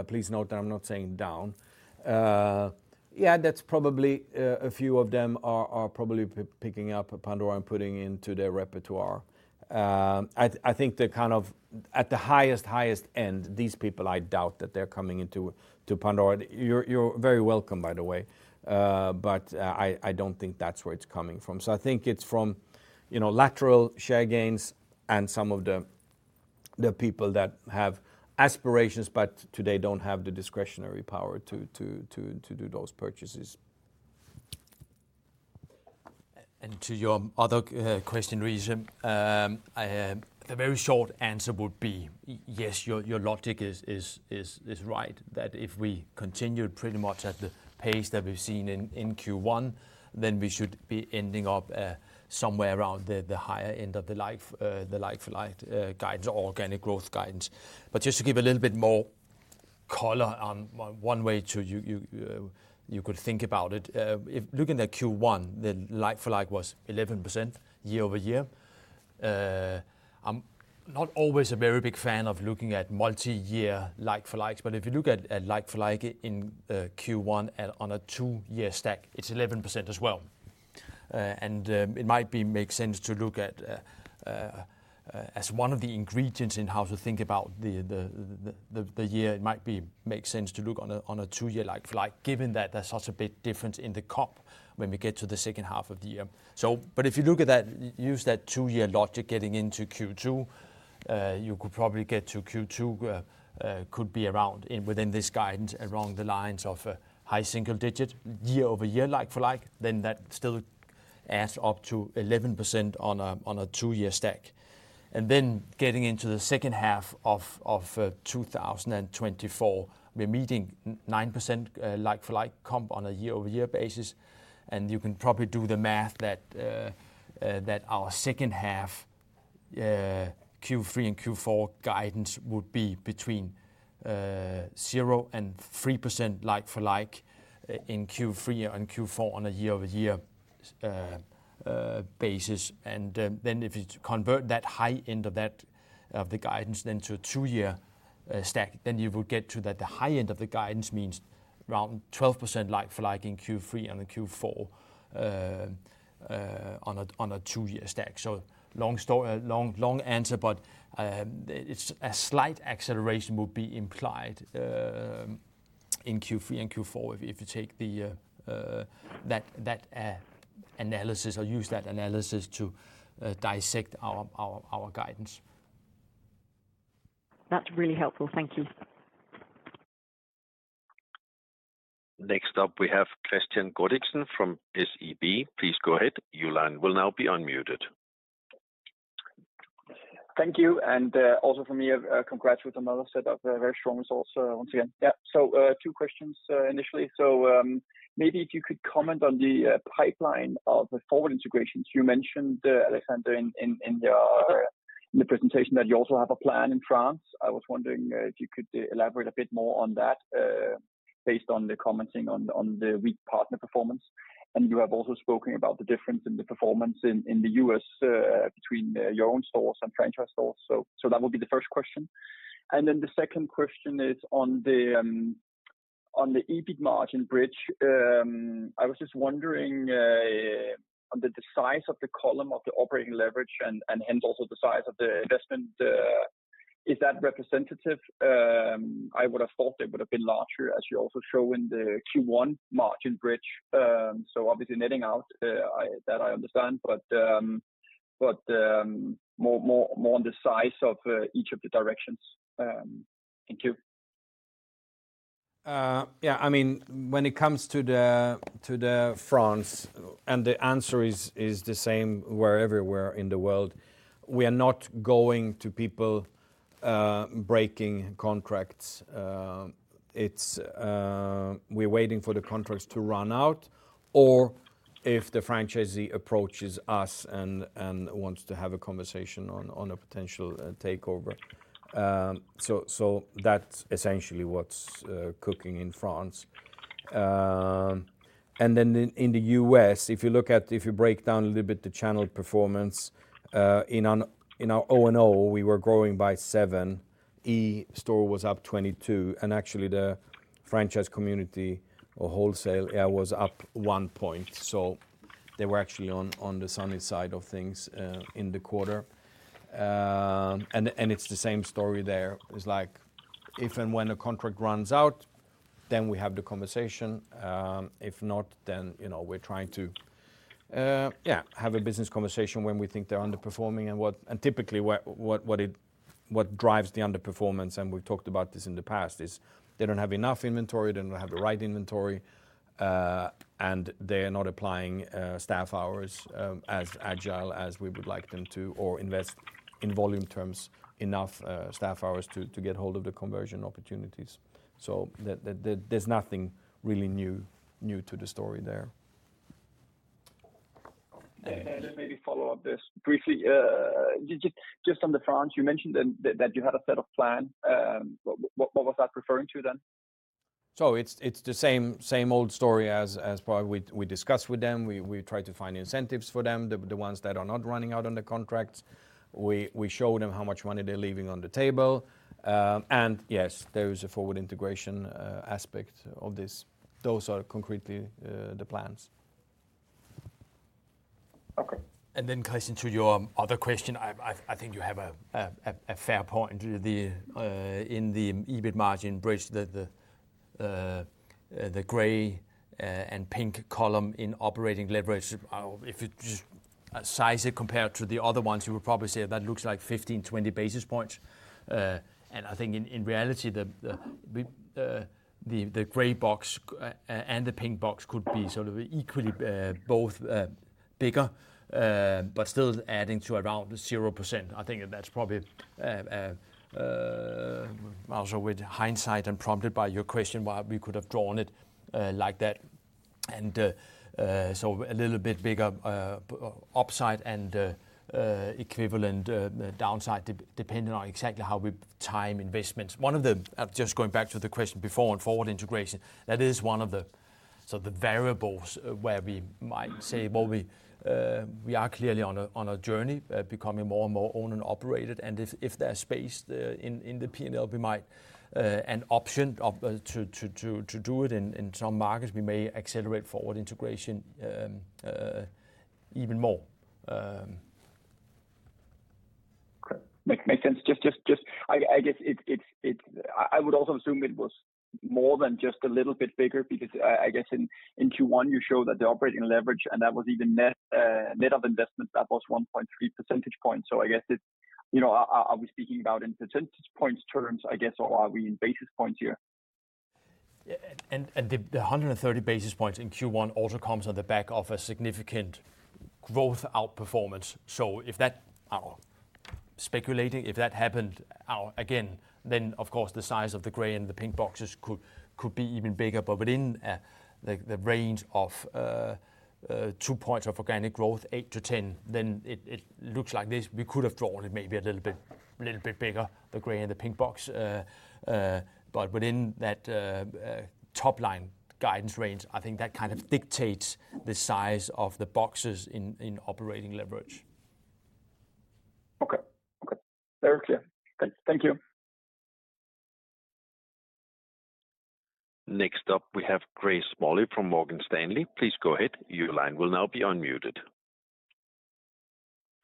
Please note that I'm not saying down. Yeah, that's probably a few of them are probably picking up a Pandora and putting into their repertoire. I think they're kind of at the highest end, these people. I doubt that they're coming into Pandora. You're very welcome, by the way. But I don't think that's where it's coming from. So I think it's from, you know, lateral share gains and some of the people that have aspirations, but today don't have the discretionary power to do those purchases. And to your other question, [Louise] the very short answer would be, yes, your logic is right, that if we continue pretty much at the pace that we've seen in Q1, then we should be ending up somewhere around the higher end of the like-for-like guidance or organic growth guidance. But just to give a little bit more color on one way you could think about it, if looking at Q1, then like-for-like was 11% year-over-year. I'm not always a very big fan of looking at multi-year like-for-likes, but if you look at like-for-like in Q1 on a two-year stack, it's 11% as well. And it might make sense to look at as one of the ingredients in how to think about the year. It might make sense to look on a two-year like-for-like, given that there's such a big difference in the comp when we get to the second half of the year. But if you look at that, use that two-year logic getting into Q2, you could probably get to Q2 could be around within this guidance, around the lines of a high single digit year-over-year like-for-like, then that still adds up to 11% on a two-year stack. Then, getting into the second half of 2024, we're meeting 9% like-for-like comp on a year-over-year basis, and you can probably do the math that our second half Q3 and Q4 guidance would be between 0% and 3% like-for-like in Q3 and Q4 on a year-over-year basis. Then if you convert that high end of that guidance then to a two-year stack, then you would get to that the high end of the guidance means around 12% like-for-like in Q3 and Q4 on a two-year stack. So long story... Long, long answer, but it's a slight acceleration would be implied in Q3 and Q4 if you take the analysis or use that analysis to dissect our guidance. That's really helpful. Thank you. Next up, we have Kristian Godiksen from. Please go ahead. Your line will now be unmuted. Thank you, and also for me, congrats with another set of very strong results once again. Yeah, so two questions initially. So maybe if you could comment on the pipeline of the forward integrations. You mentioned, Alexander, in your presentation that you also have a plan in France. I was wondering if you could elaborate a bit more on that, based on the commenting on the weak partner performance. And you have also spoken about the difference in the performance in the US between your own stores and franchise stores. So that would be the first question. And then the second question is on the EBIT margin bridge. I was just wondering on the size of the column of the operating leverage and hence also the size of the investment, is that representative? I would have thought it would have been larger, as you also show in the Q1 margin bridge. So obviously, netting out, that I understand, but more on the size of each of the directions. Thank you. Yeah, I mean, when it comes to France, and the answer is the same as everywhere in the world, we are not going to be breaking contracts. We're waiting for the contracts to run out or if the franchisee approaches us and wants to have a conversation on a potential takeover. So that's essentially what's cooking in France. And then in the U.S., if you look at, if you break down a little bit, the channel performance, in our own, we were growing by 7, e-store was up 22, and actually, the franchise community or wholesale was up 1 point. So they were actually on the sunny side of things in the quarter. And it's the same story there. It's like, if and when a contract runs out, then we have the conversation. If not, then, you know, we're trying to have a business conversation when we think they're underperforming. And typically, what drives the underperformance, and we've talked about this in the past, is they don't have enough inventory, they don't have the right inventory, and they are not applying staff hours as agile as we would like them to, or invest in volume terms, enough staff hours to get hold of the conversion opportunities. So there's nothing really new to the story there. Then maybe follow up this briefly. Just on the France, you mentioned that you had a set of plan. What was that referring to then? So it's the same old story as probably we discussed with them. We try to find incentives for them, the ones that are not running out on the contracts. We show them how much money they're leaving on the table. And yes, there is a Forward Integration aspect of this. Those are concretely the plans. Okay. And then Kristian, to your other question, I think you have a fair point. In the EBIT margin bridge, the gray and pink column in operating leverage, if you just size it compared to the other ones, you would probably say that looks like 15 basis points-20 basis points. And I think in reality, the gray box and the pink box could be sort of equally both bigger, but still adding to around 0%. I think that's probably also with hindsight and prompted by your question, why we could have drawn it like that. And so a little bit bigger upside and equivalent downside, depending on exactly how we time investments. Just going back to the question before on forward integration, that is one of the variables where we might say, well, we are clearly on a journey becoming more and more owned and operated. And if there's space in the P&L, we might have an option to do it in some markets. We may accelerate forward integration even more. Great. Makes sense. Just, I guess... I would also assume it was more than just a little bit bigger, because I guess in Q1, you showed that the operating leverage, and that was even net of investment, that was 1.3 percentage points. So I guess it's, you know, are we speaking about in percentage points terms, I guess, or are we in basis points here? Yeah. And the 130 basis points in Q1 also comes on the back of a significant growth outperformance. So if that, speculating, if that happened, again, then, of course, the size of the gray and the pink boxes could be even bigger. But within the range of two points of organic growth, 8-10, then it looks like this. We could have drawn it maybe a little bit bigger, the gray and the pink box. But within that top line guidance range, I think that kind of dictates the size of the boxes in operating leverage. Okay. Okay. Very clear. Thank, thank you. Next up, we have Grace Smalley from Morgan Stanley. Please go ahead. Your line will now be unmuted.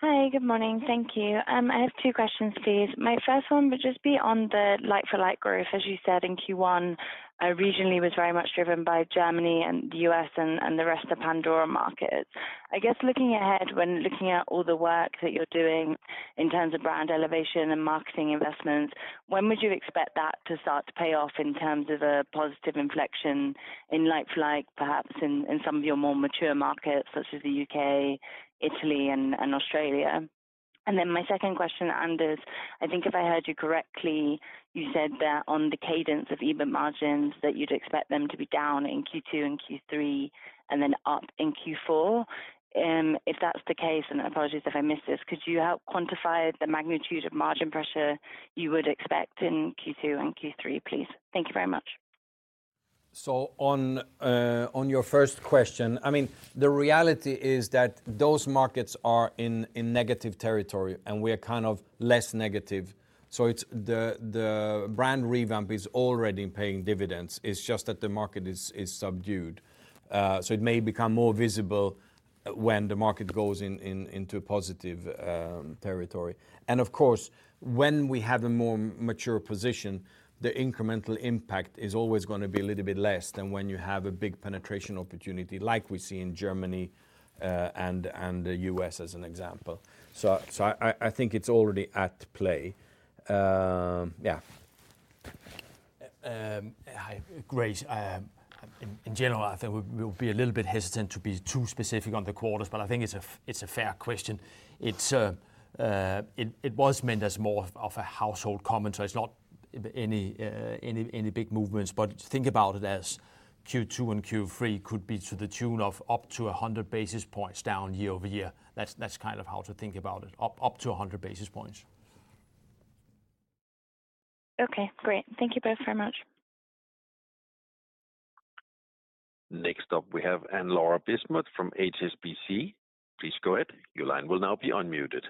Hi, good morning. Thank you. I have two questions, please. My first one would just be on the like-for-like growth, as you said in Q1, regionally, was very much driven by Germany and the U.S. and the rest of Pandora markets. I guess, looking ahead, when looking at all the work that you're doing in terms of brand elevation and marketing investments, when would you expect that to start to pay off in terms of a positive inflection in like-for-like, perhaps in some of your more mature markets, such as the U.K., Italy, and Australia? And then my second question, Anders, I think if I heard you correctly, you said that on the cadence of EBIT margins, that you'd expect them to be down in Q2 and Q3 and then up in Q4. If that's the case, and apologies if I missed this, could you help quantify the magnitude of margin pressure you would expect in Q2 and Q3, please? Thank you very much. So, on your first question, I mean, the reality is that those markets are in negative territory, and we are kind of less negative. So it's the brand revamp is already paying dividends. It's just that the market is subdued. So it may become more visible when the market goes into a positive territory. And of course, when we have a more mature position, the incremental impact is always gonna be a little bit less than when you have a big penetration opportunity like we see in Germany and the US as an example. So I think it's already at play. Yeah. Hi, Grace. In general, I think we'll be a little bit hesitant to be too specific on the quarters, but I think it's a fair question. It was meant as more of a household comment, so it's not any big movements. But think about it as Q2 and Q3 could be to the tune of up to 100 basis points down year-over-year. That's kind of how to think about it, up to 100 basis points. Okay, great. Thank you both very much. Next up, we have Anne-Laure Bismuth from HSBC. Please go ahead. Your line will now be unmuted.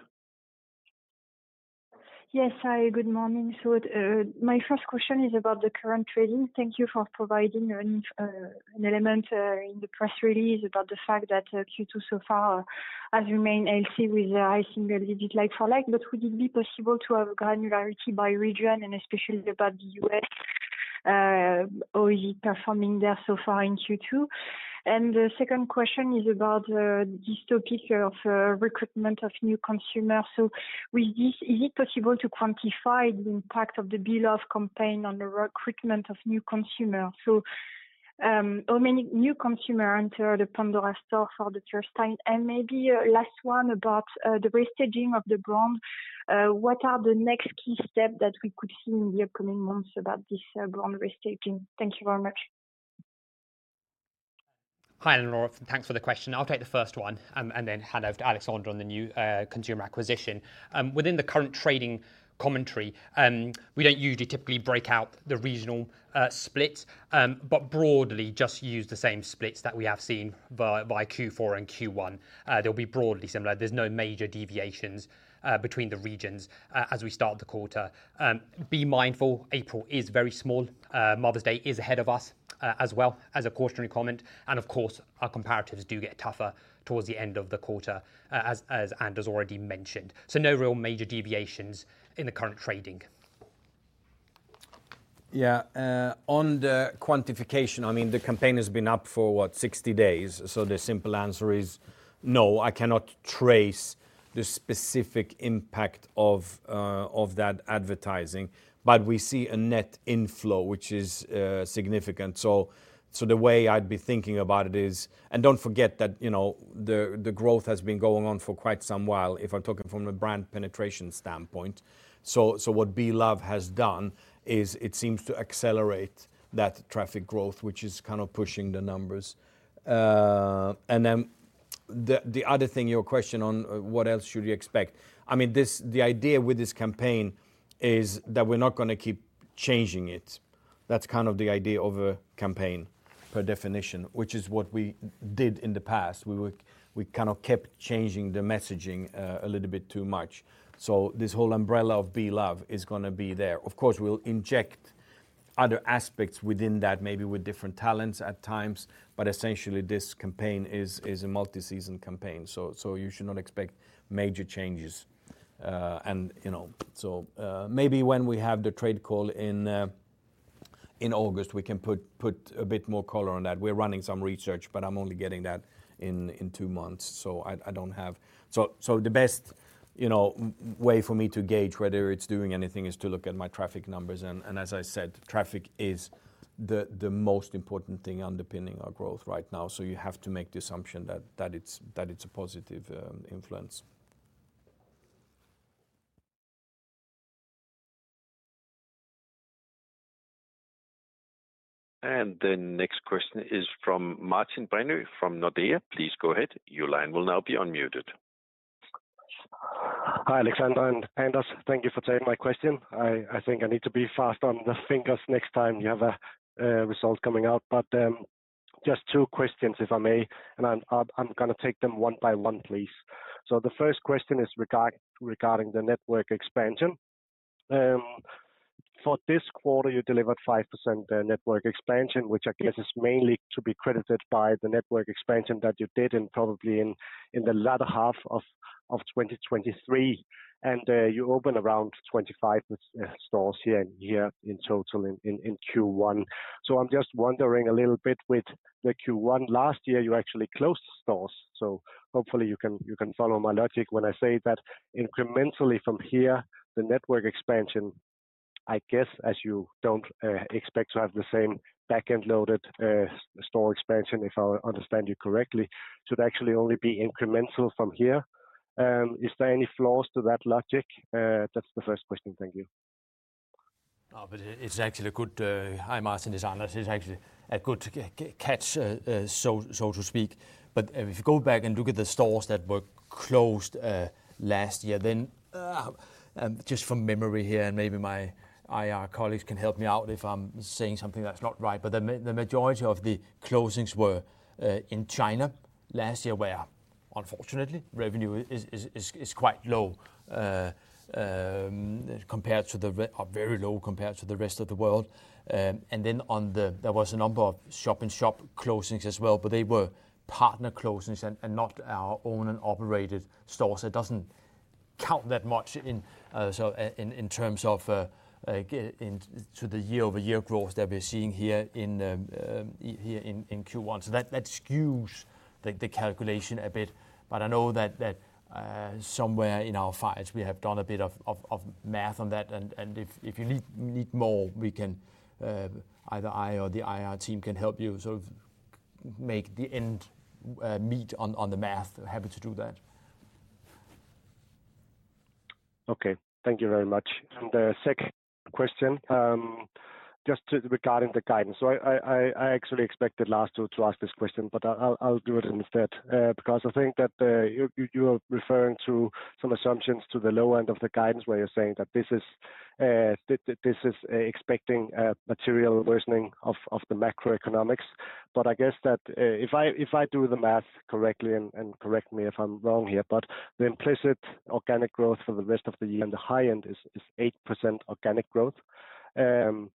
Yes, hi, good morning. So, my first question is about the current trading. Thank you for providing an element in the press release about the fact that Q2 so far has remained healthy with a high single-digit like-for-like. But would it be possible to have granularity by region and especially about the U.S., how is it performing there so far in Q2? And the second question is about this topic of recruitment of new consumers. So with this, is it possible to quantify the impact of the BE LOVE campaign on the recruitment of new consumers? So, how many new consumer enter the Pandora store for the first time? And maybe a last one about the restaging of the brand. What are the next key steps that we could see in the upcoming months about this, brand restaging? Thank you very much. Hi, Anne-Laure. Thanks for the question. I'll take the first one, and then hand over to Alexander on the new consumer acquisition. Within the current trading commentary, we don't usually typically break out the regional splits, but broadly just use the same splits that we have seen by Q4 and Q1. They'll be broadly similar. There's no major deviations between the regions as we start the quarter. Be mindful, April is very small. Mother's Day is ahead of us, as well, as a cautionary comment. And of course, our comparatives do get tougher towards the end of the quarter as Anders already mentioned. So no real major deviations in the current trading. Yeah, on the quantification, I mean, the campaign has been up for, what? 60 days. So the simple answer is no, I cannot trace the specific impact of of that advertising, but we see a net inflow, which is significant. So, so the way I'd be thinking about it is... And don't forget that, you know, the growth has been going on for quite some while, if I'm talking from a brand penetration standpoint. So, so what BE LOVE has done is it seems to accelerate that traffic growth, which is kind of pushing the numbers. Uh, and then the other thing, your question on what else should you expect? I mean, this, the idea with this campaign is that we're not gonna keep changing it. That's kind of the idea of a campaign, per definition, which is what we did in the past. We were we kind of kept changing the messaging, a little bit too much. So this whole umbrella of BE LOVE is gonna be there. Of course, we'll inject other aspects within that, maybe with different talents at times, but essentially, this campaign is a multi-season campaign, so you should not expect major changes. And, you know, so maybe when we have the trade call in August, we can put a bit more color on that. We're running some research, but I'm only getting that in two months, so I don't have. So the best, you know, way for me to gauge whether it's doing anything is to look at my traffic numbers. And as I said, traffic is the most important thing underpinning our growth right now. So you have to make the assumption that it's a positive influence. The next question is from Martin Brenøe from. Please go ahead. Your line will now be unmuted. Hi, Alexander and Anders. Thank you for taking my question. I think I need to be fast on the fingers next time you have a result coming out. But just two questions, if I may, and I'm gonna take them one by one, please. So the first question is regarding the network expansion. For this quarter, you delivered 5% network expansion, which I guess is mainly to be credited by the network expansion that you did in probably in the latter half of 2023. And you opened around 25 stores year-on-year in total in Q1. So I'm just wondering a little bit with the Q1. Last year, you actually closed stores, so hopefully you can, you can follow my logic when I say that incrementally from here, the network expansion, I guess, as you don't expect to have the same back-end loaded store expansion, if I understand you correctly, should actually only be incremental from here. Is there any flaws to that logic? That's the first question. Thank you. But it's actually a good... Hi, Martin, it's Anders. It's actually a good catch, so to speak. But if you go back and look at the stores that were closed last year, then, just from memory here, and maybe my IR colleagues can help me out if I'm saying something that's not right, but the majority of the closings were in China last year, where unfortunately, revenue is quite low, very low compared to the rest of the world. And there was a number of shop-in-shop closings as well, but they were partner closings and not our own and operated stores. It doesn't count that much, so in terms of the year-over-year growth that we're seeing here in Q1. So that skews the calculation a bit, but I know that somewhere in our files, we have done a bit of math on that, and if you need more, we can, either I or the IR team can help you sort of make ends meet on the math. Happy to do that. Okay. Thank you very much. The second question, just regarding the guidance. So I actually expected Lars to ask this question, but I'll do it instead, because I think that you are referring to some assumptions to the low end of the guidance, where you're saying that this is expecting a material worsening of the macroeconomics. But I guess that, if I do the math correctly, and correct me if I'm wrong here, but the implicit organic growth for the rest of the year at the high end is 8% organic growth. And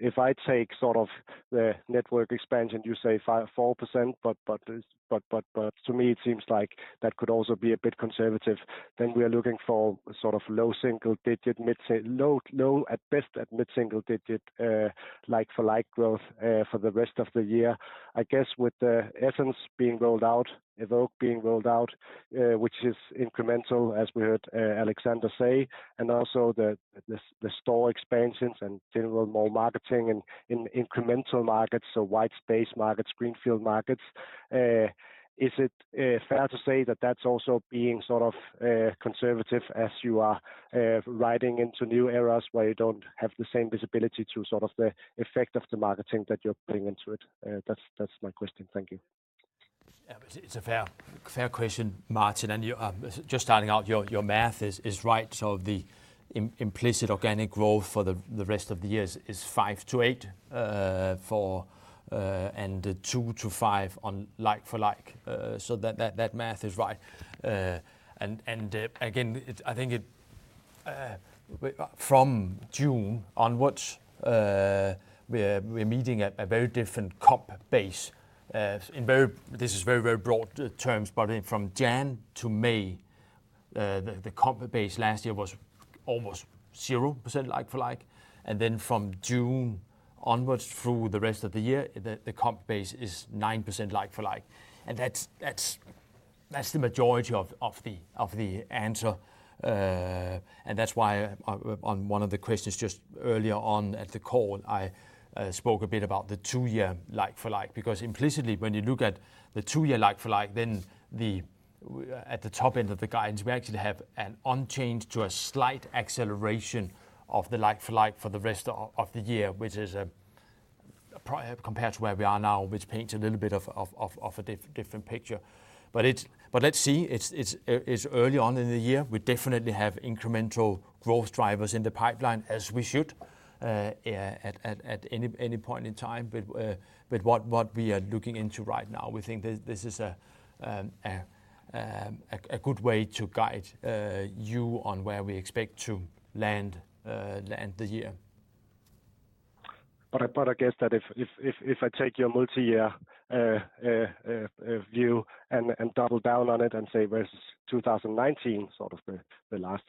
if I take sort of the network expansion, you say 5%-4%, but to me, it seems like that could also be a bit conservative. Then we are looking for sort of low single digit, low at best, mid single digit like-for-like growth for the rest of the year. I guess with the Essence being rolled out, Evoke being rolled out, which is incremental, as we heard Alexander say, and also the store expansions and general more marketing in incremental markets, so white space markets, greenfield markets, is it fair to say that that's also being sort of conservative as you are riding into new eras where you don't have the same visibility to sort of the effect of the marketing that you're putting into it? That's my question. Thank you. Yeah, but it's a fair, fair question, Martin. And you just starting out, your math is right. So the implicit organic growth for the rest of the years is 5-8, and 2-5 on like for like, so that math is right. And again, I think it from June onwards, we're meeting at a very different comp base, in very broad terms, but from Jan to May, the comp base last year was almost 0% like for like, and then from June onwards through the rest of the year, the comp base is 9% like for like. And that's the majority of the answer. And that's why on one of the questions just earlier on at the call, I spoke a bit about the two-year like-for-like, because implicitly when you look at the two-year like-for-like, then the at the top end of the guidance, we actually have an unchanged to a slight acceleration of the like-for-like for the rest of the year, which is primarily compared to where we are now, which paints a little bit of a different picture. But it's... But let's see. It's early on in the year. We definitely have incremental growth drivers in the pipeline, as we should, at any point in time. But what we are looking into right now, we think this is a good way to guide you on where we expect to land the year. But I guess that if I take your multi-year view and double down on it and say versus 2019, sort of the last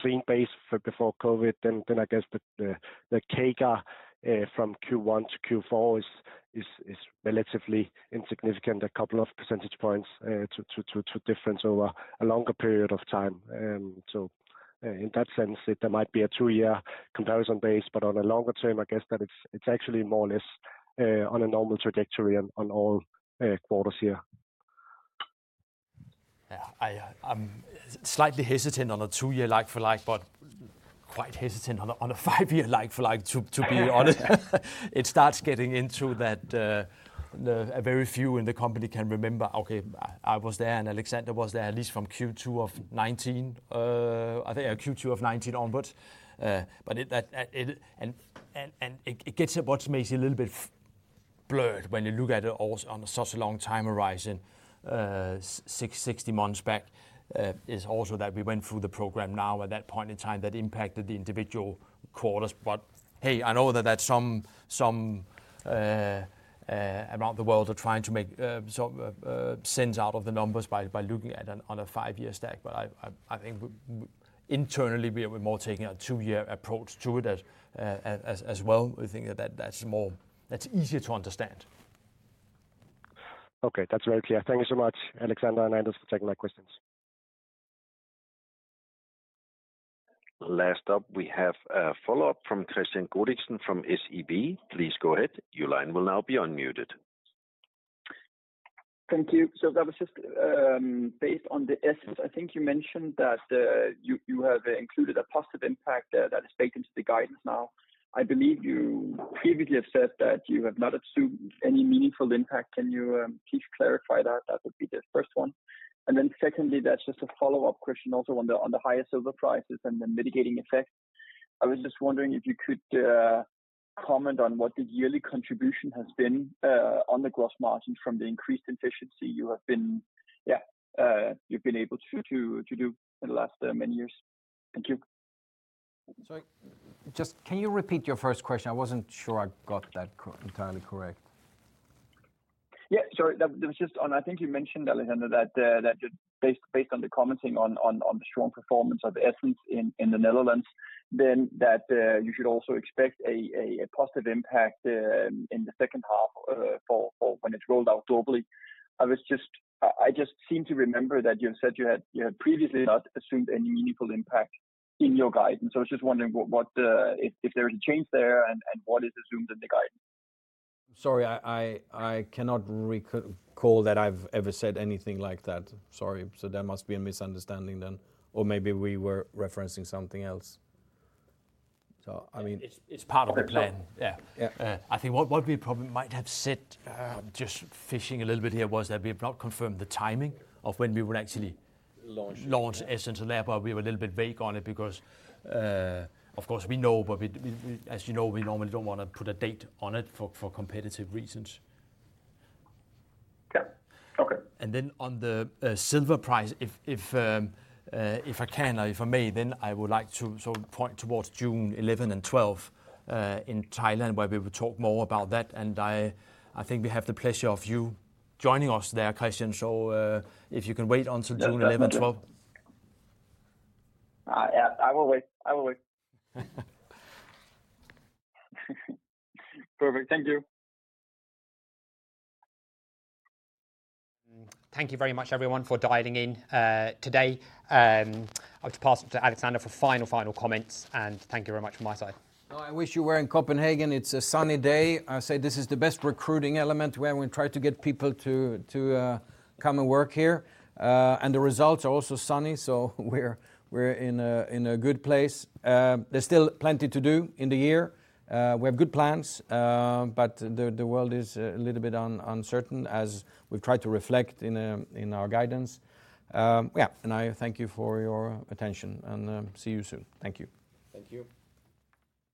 clean base year before COVID, then I guess the CAGR from Q1 to Q4 is relatively insignificant, a couple of percentage points to difference over a longer period of time. So in that sense, there might be a 2-year comparison base, but on a longer term, I guess that it's actually more or less on a normal trajectory on all quarters here. Yeah, I, I'm slightly hesitant on a 2-year like for like, but quite hesitant on a 5-year like for like, to be honest. It starts getting into that, the... A very few in the company can remember, okay, I was there, and Alexander was there, at least from Q2 of 2019, I think, yeah, Q2 of 2019 onwards. But it, that, it... It gets what makes it a little bit blurred when you look at it on such a long time horizon. 60 months back is also that we went through the program now at that point in time, that impacted the individual quarters. But hey, I know that some around the world are trying to make sort of sense out of the numbers by looking at it on a five-year stack. But I think internally, we are more taking a two-year approach to it as well. We think that that's more, that's easier to understand. Okay, that's very clear. Thank you so much, Alexander and Anders, for taking my questions. Last up, we have a follow-up from Kristian Godiksen from SEB. Please go ahead. Your line will now be unmuted. Thank you. So that was just based on the Essence. I think you mentioned that you have included a positive impact there that is baked into the guidance now. I believe you previously have said that you have not assumed any meaningful impact. Can you please clarify that? That would be the first one. And then secondly, that's just a follow-up question also on the higher silver prices and the mitigating effect. I was just wondering if you could comment on what the yearly contribution has been on the gross margin from the increased efficiency you have been able to do in the last many years. Thank you. Sorry, just can you repeat your first question? I wasn't sure I got that entirely correct. Yeah, sorry. That was just on, I think you mentioned, Alexander, that based on the commenting on the strong performance of Essence in the Netherlands, then that you should also expect a positive impact in the second half for when it's rolled out globally. I was just... I just seem to remember that you had said you had previously not assumed any meaningful impact in your guidance. So I was just wondering what if there is a change there and what is assumed in the guidance? Sorry, I cannot recall that I've ever said anything like that. Sorry. So there must be a misunderstanding then, or maybe we were referencing something else. So I mean- It's part of the plan. Yeah. Yeah. Uh. I think what we probably might have said, just fishing a little bit here, was that we have not confirmed the timing of when we would actually- Launch Launch Essence in there, but we were a little bit vague on it because, of course, we know, but we, as you know, we normally don't wanna put a date on it for competitive reasons. Yeah. Okay. Then on the silver price, if I can, or if I may, then I would like to sort of point towards June 11 and 12, in Thailand, where we will talk more about that. And I think we have the pleasure of you joining us there, Kristian. So, if you can wait until June 11 and 12. Yeah, I will wait. I will wait. Perfect. Thank you. Thank you very much, everyone, for dialing in, today. I'll just pass it to Alexander for final, final comments, and thank you very much from my side. Well, I wish you were in Copenhagen. It's a sunny day. I say this is the best recruiting element when we try to get people to come and work here. And the results are also sunny, so we're in a good place. There's still plenty to do in the year. We have good plans, but the world is a little bit uncertain, as we've tried to reflect in our guidance. Yeah, and I thank you for your attention, and see you soon. Thank you. Thank you.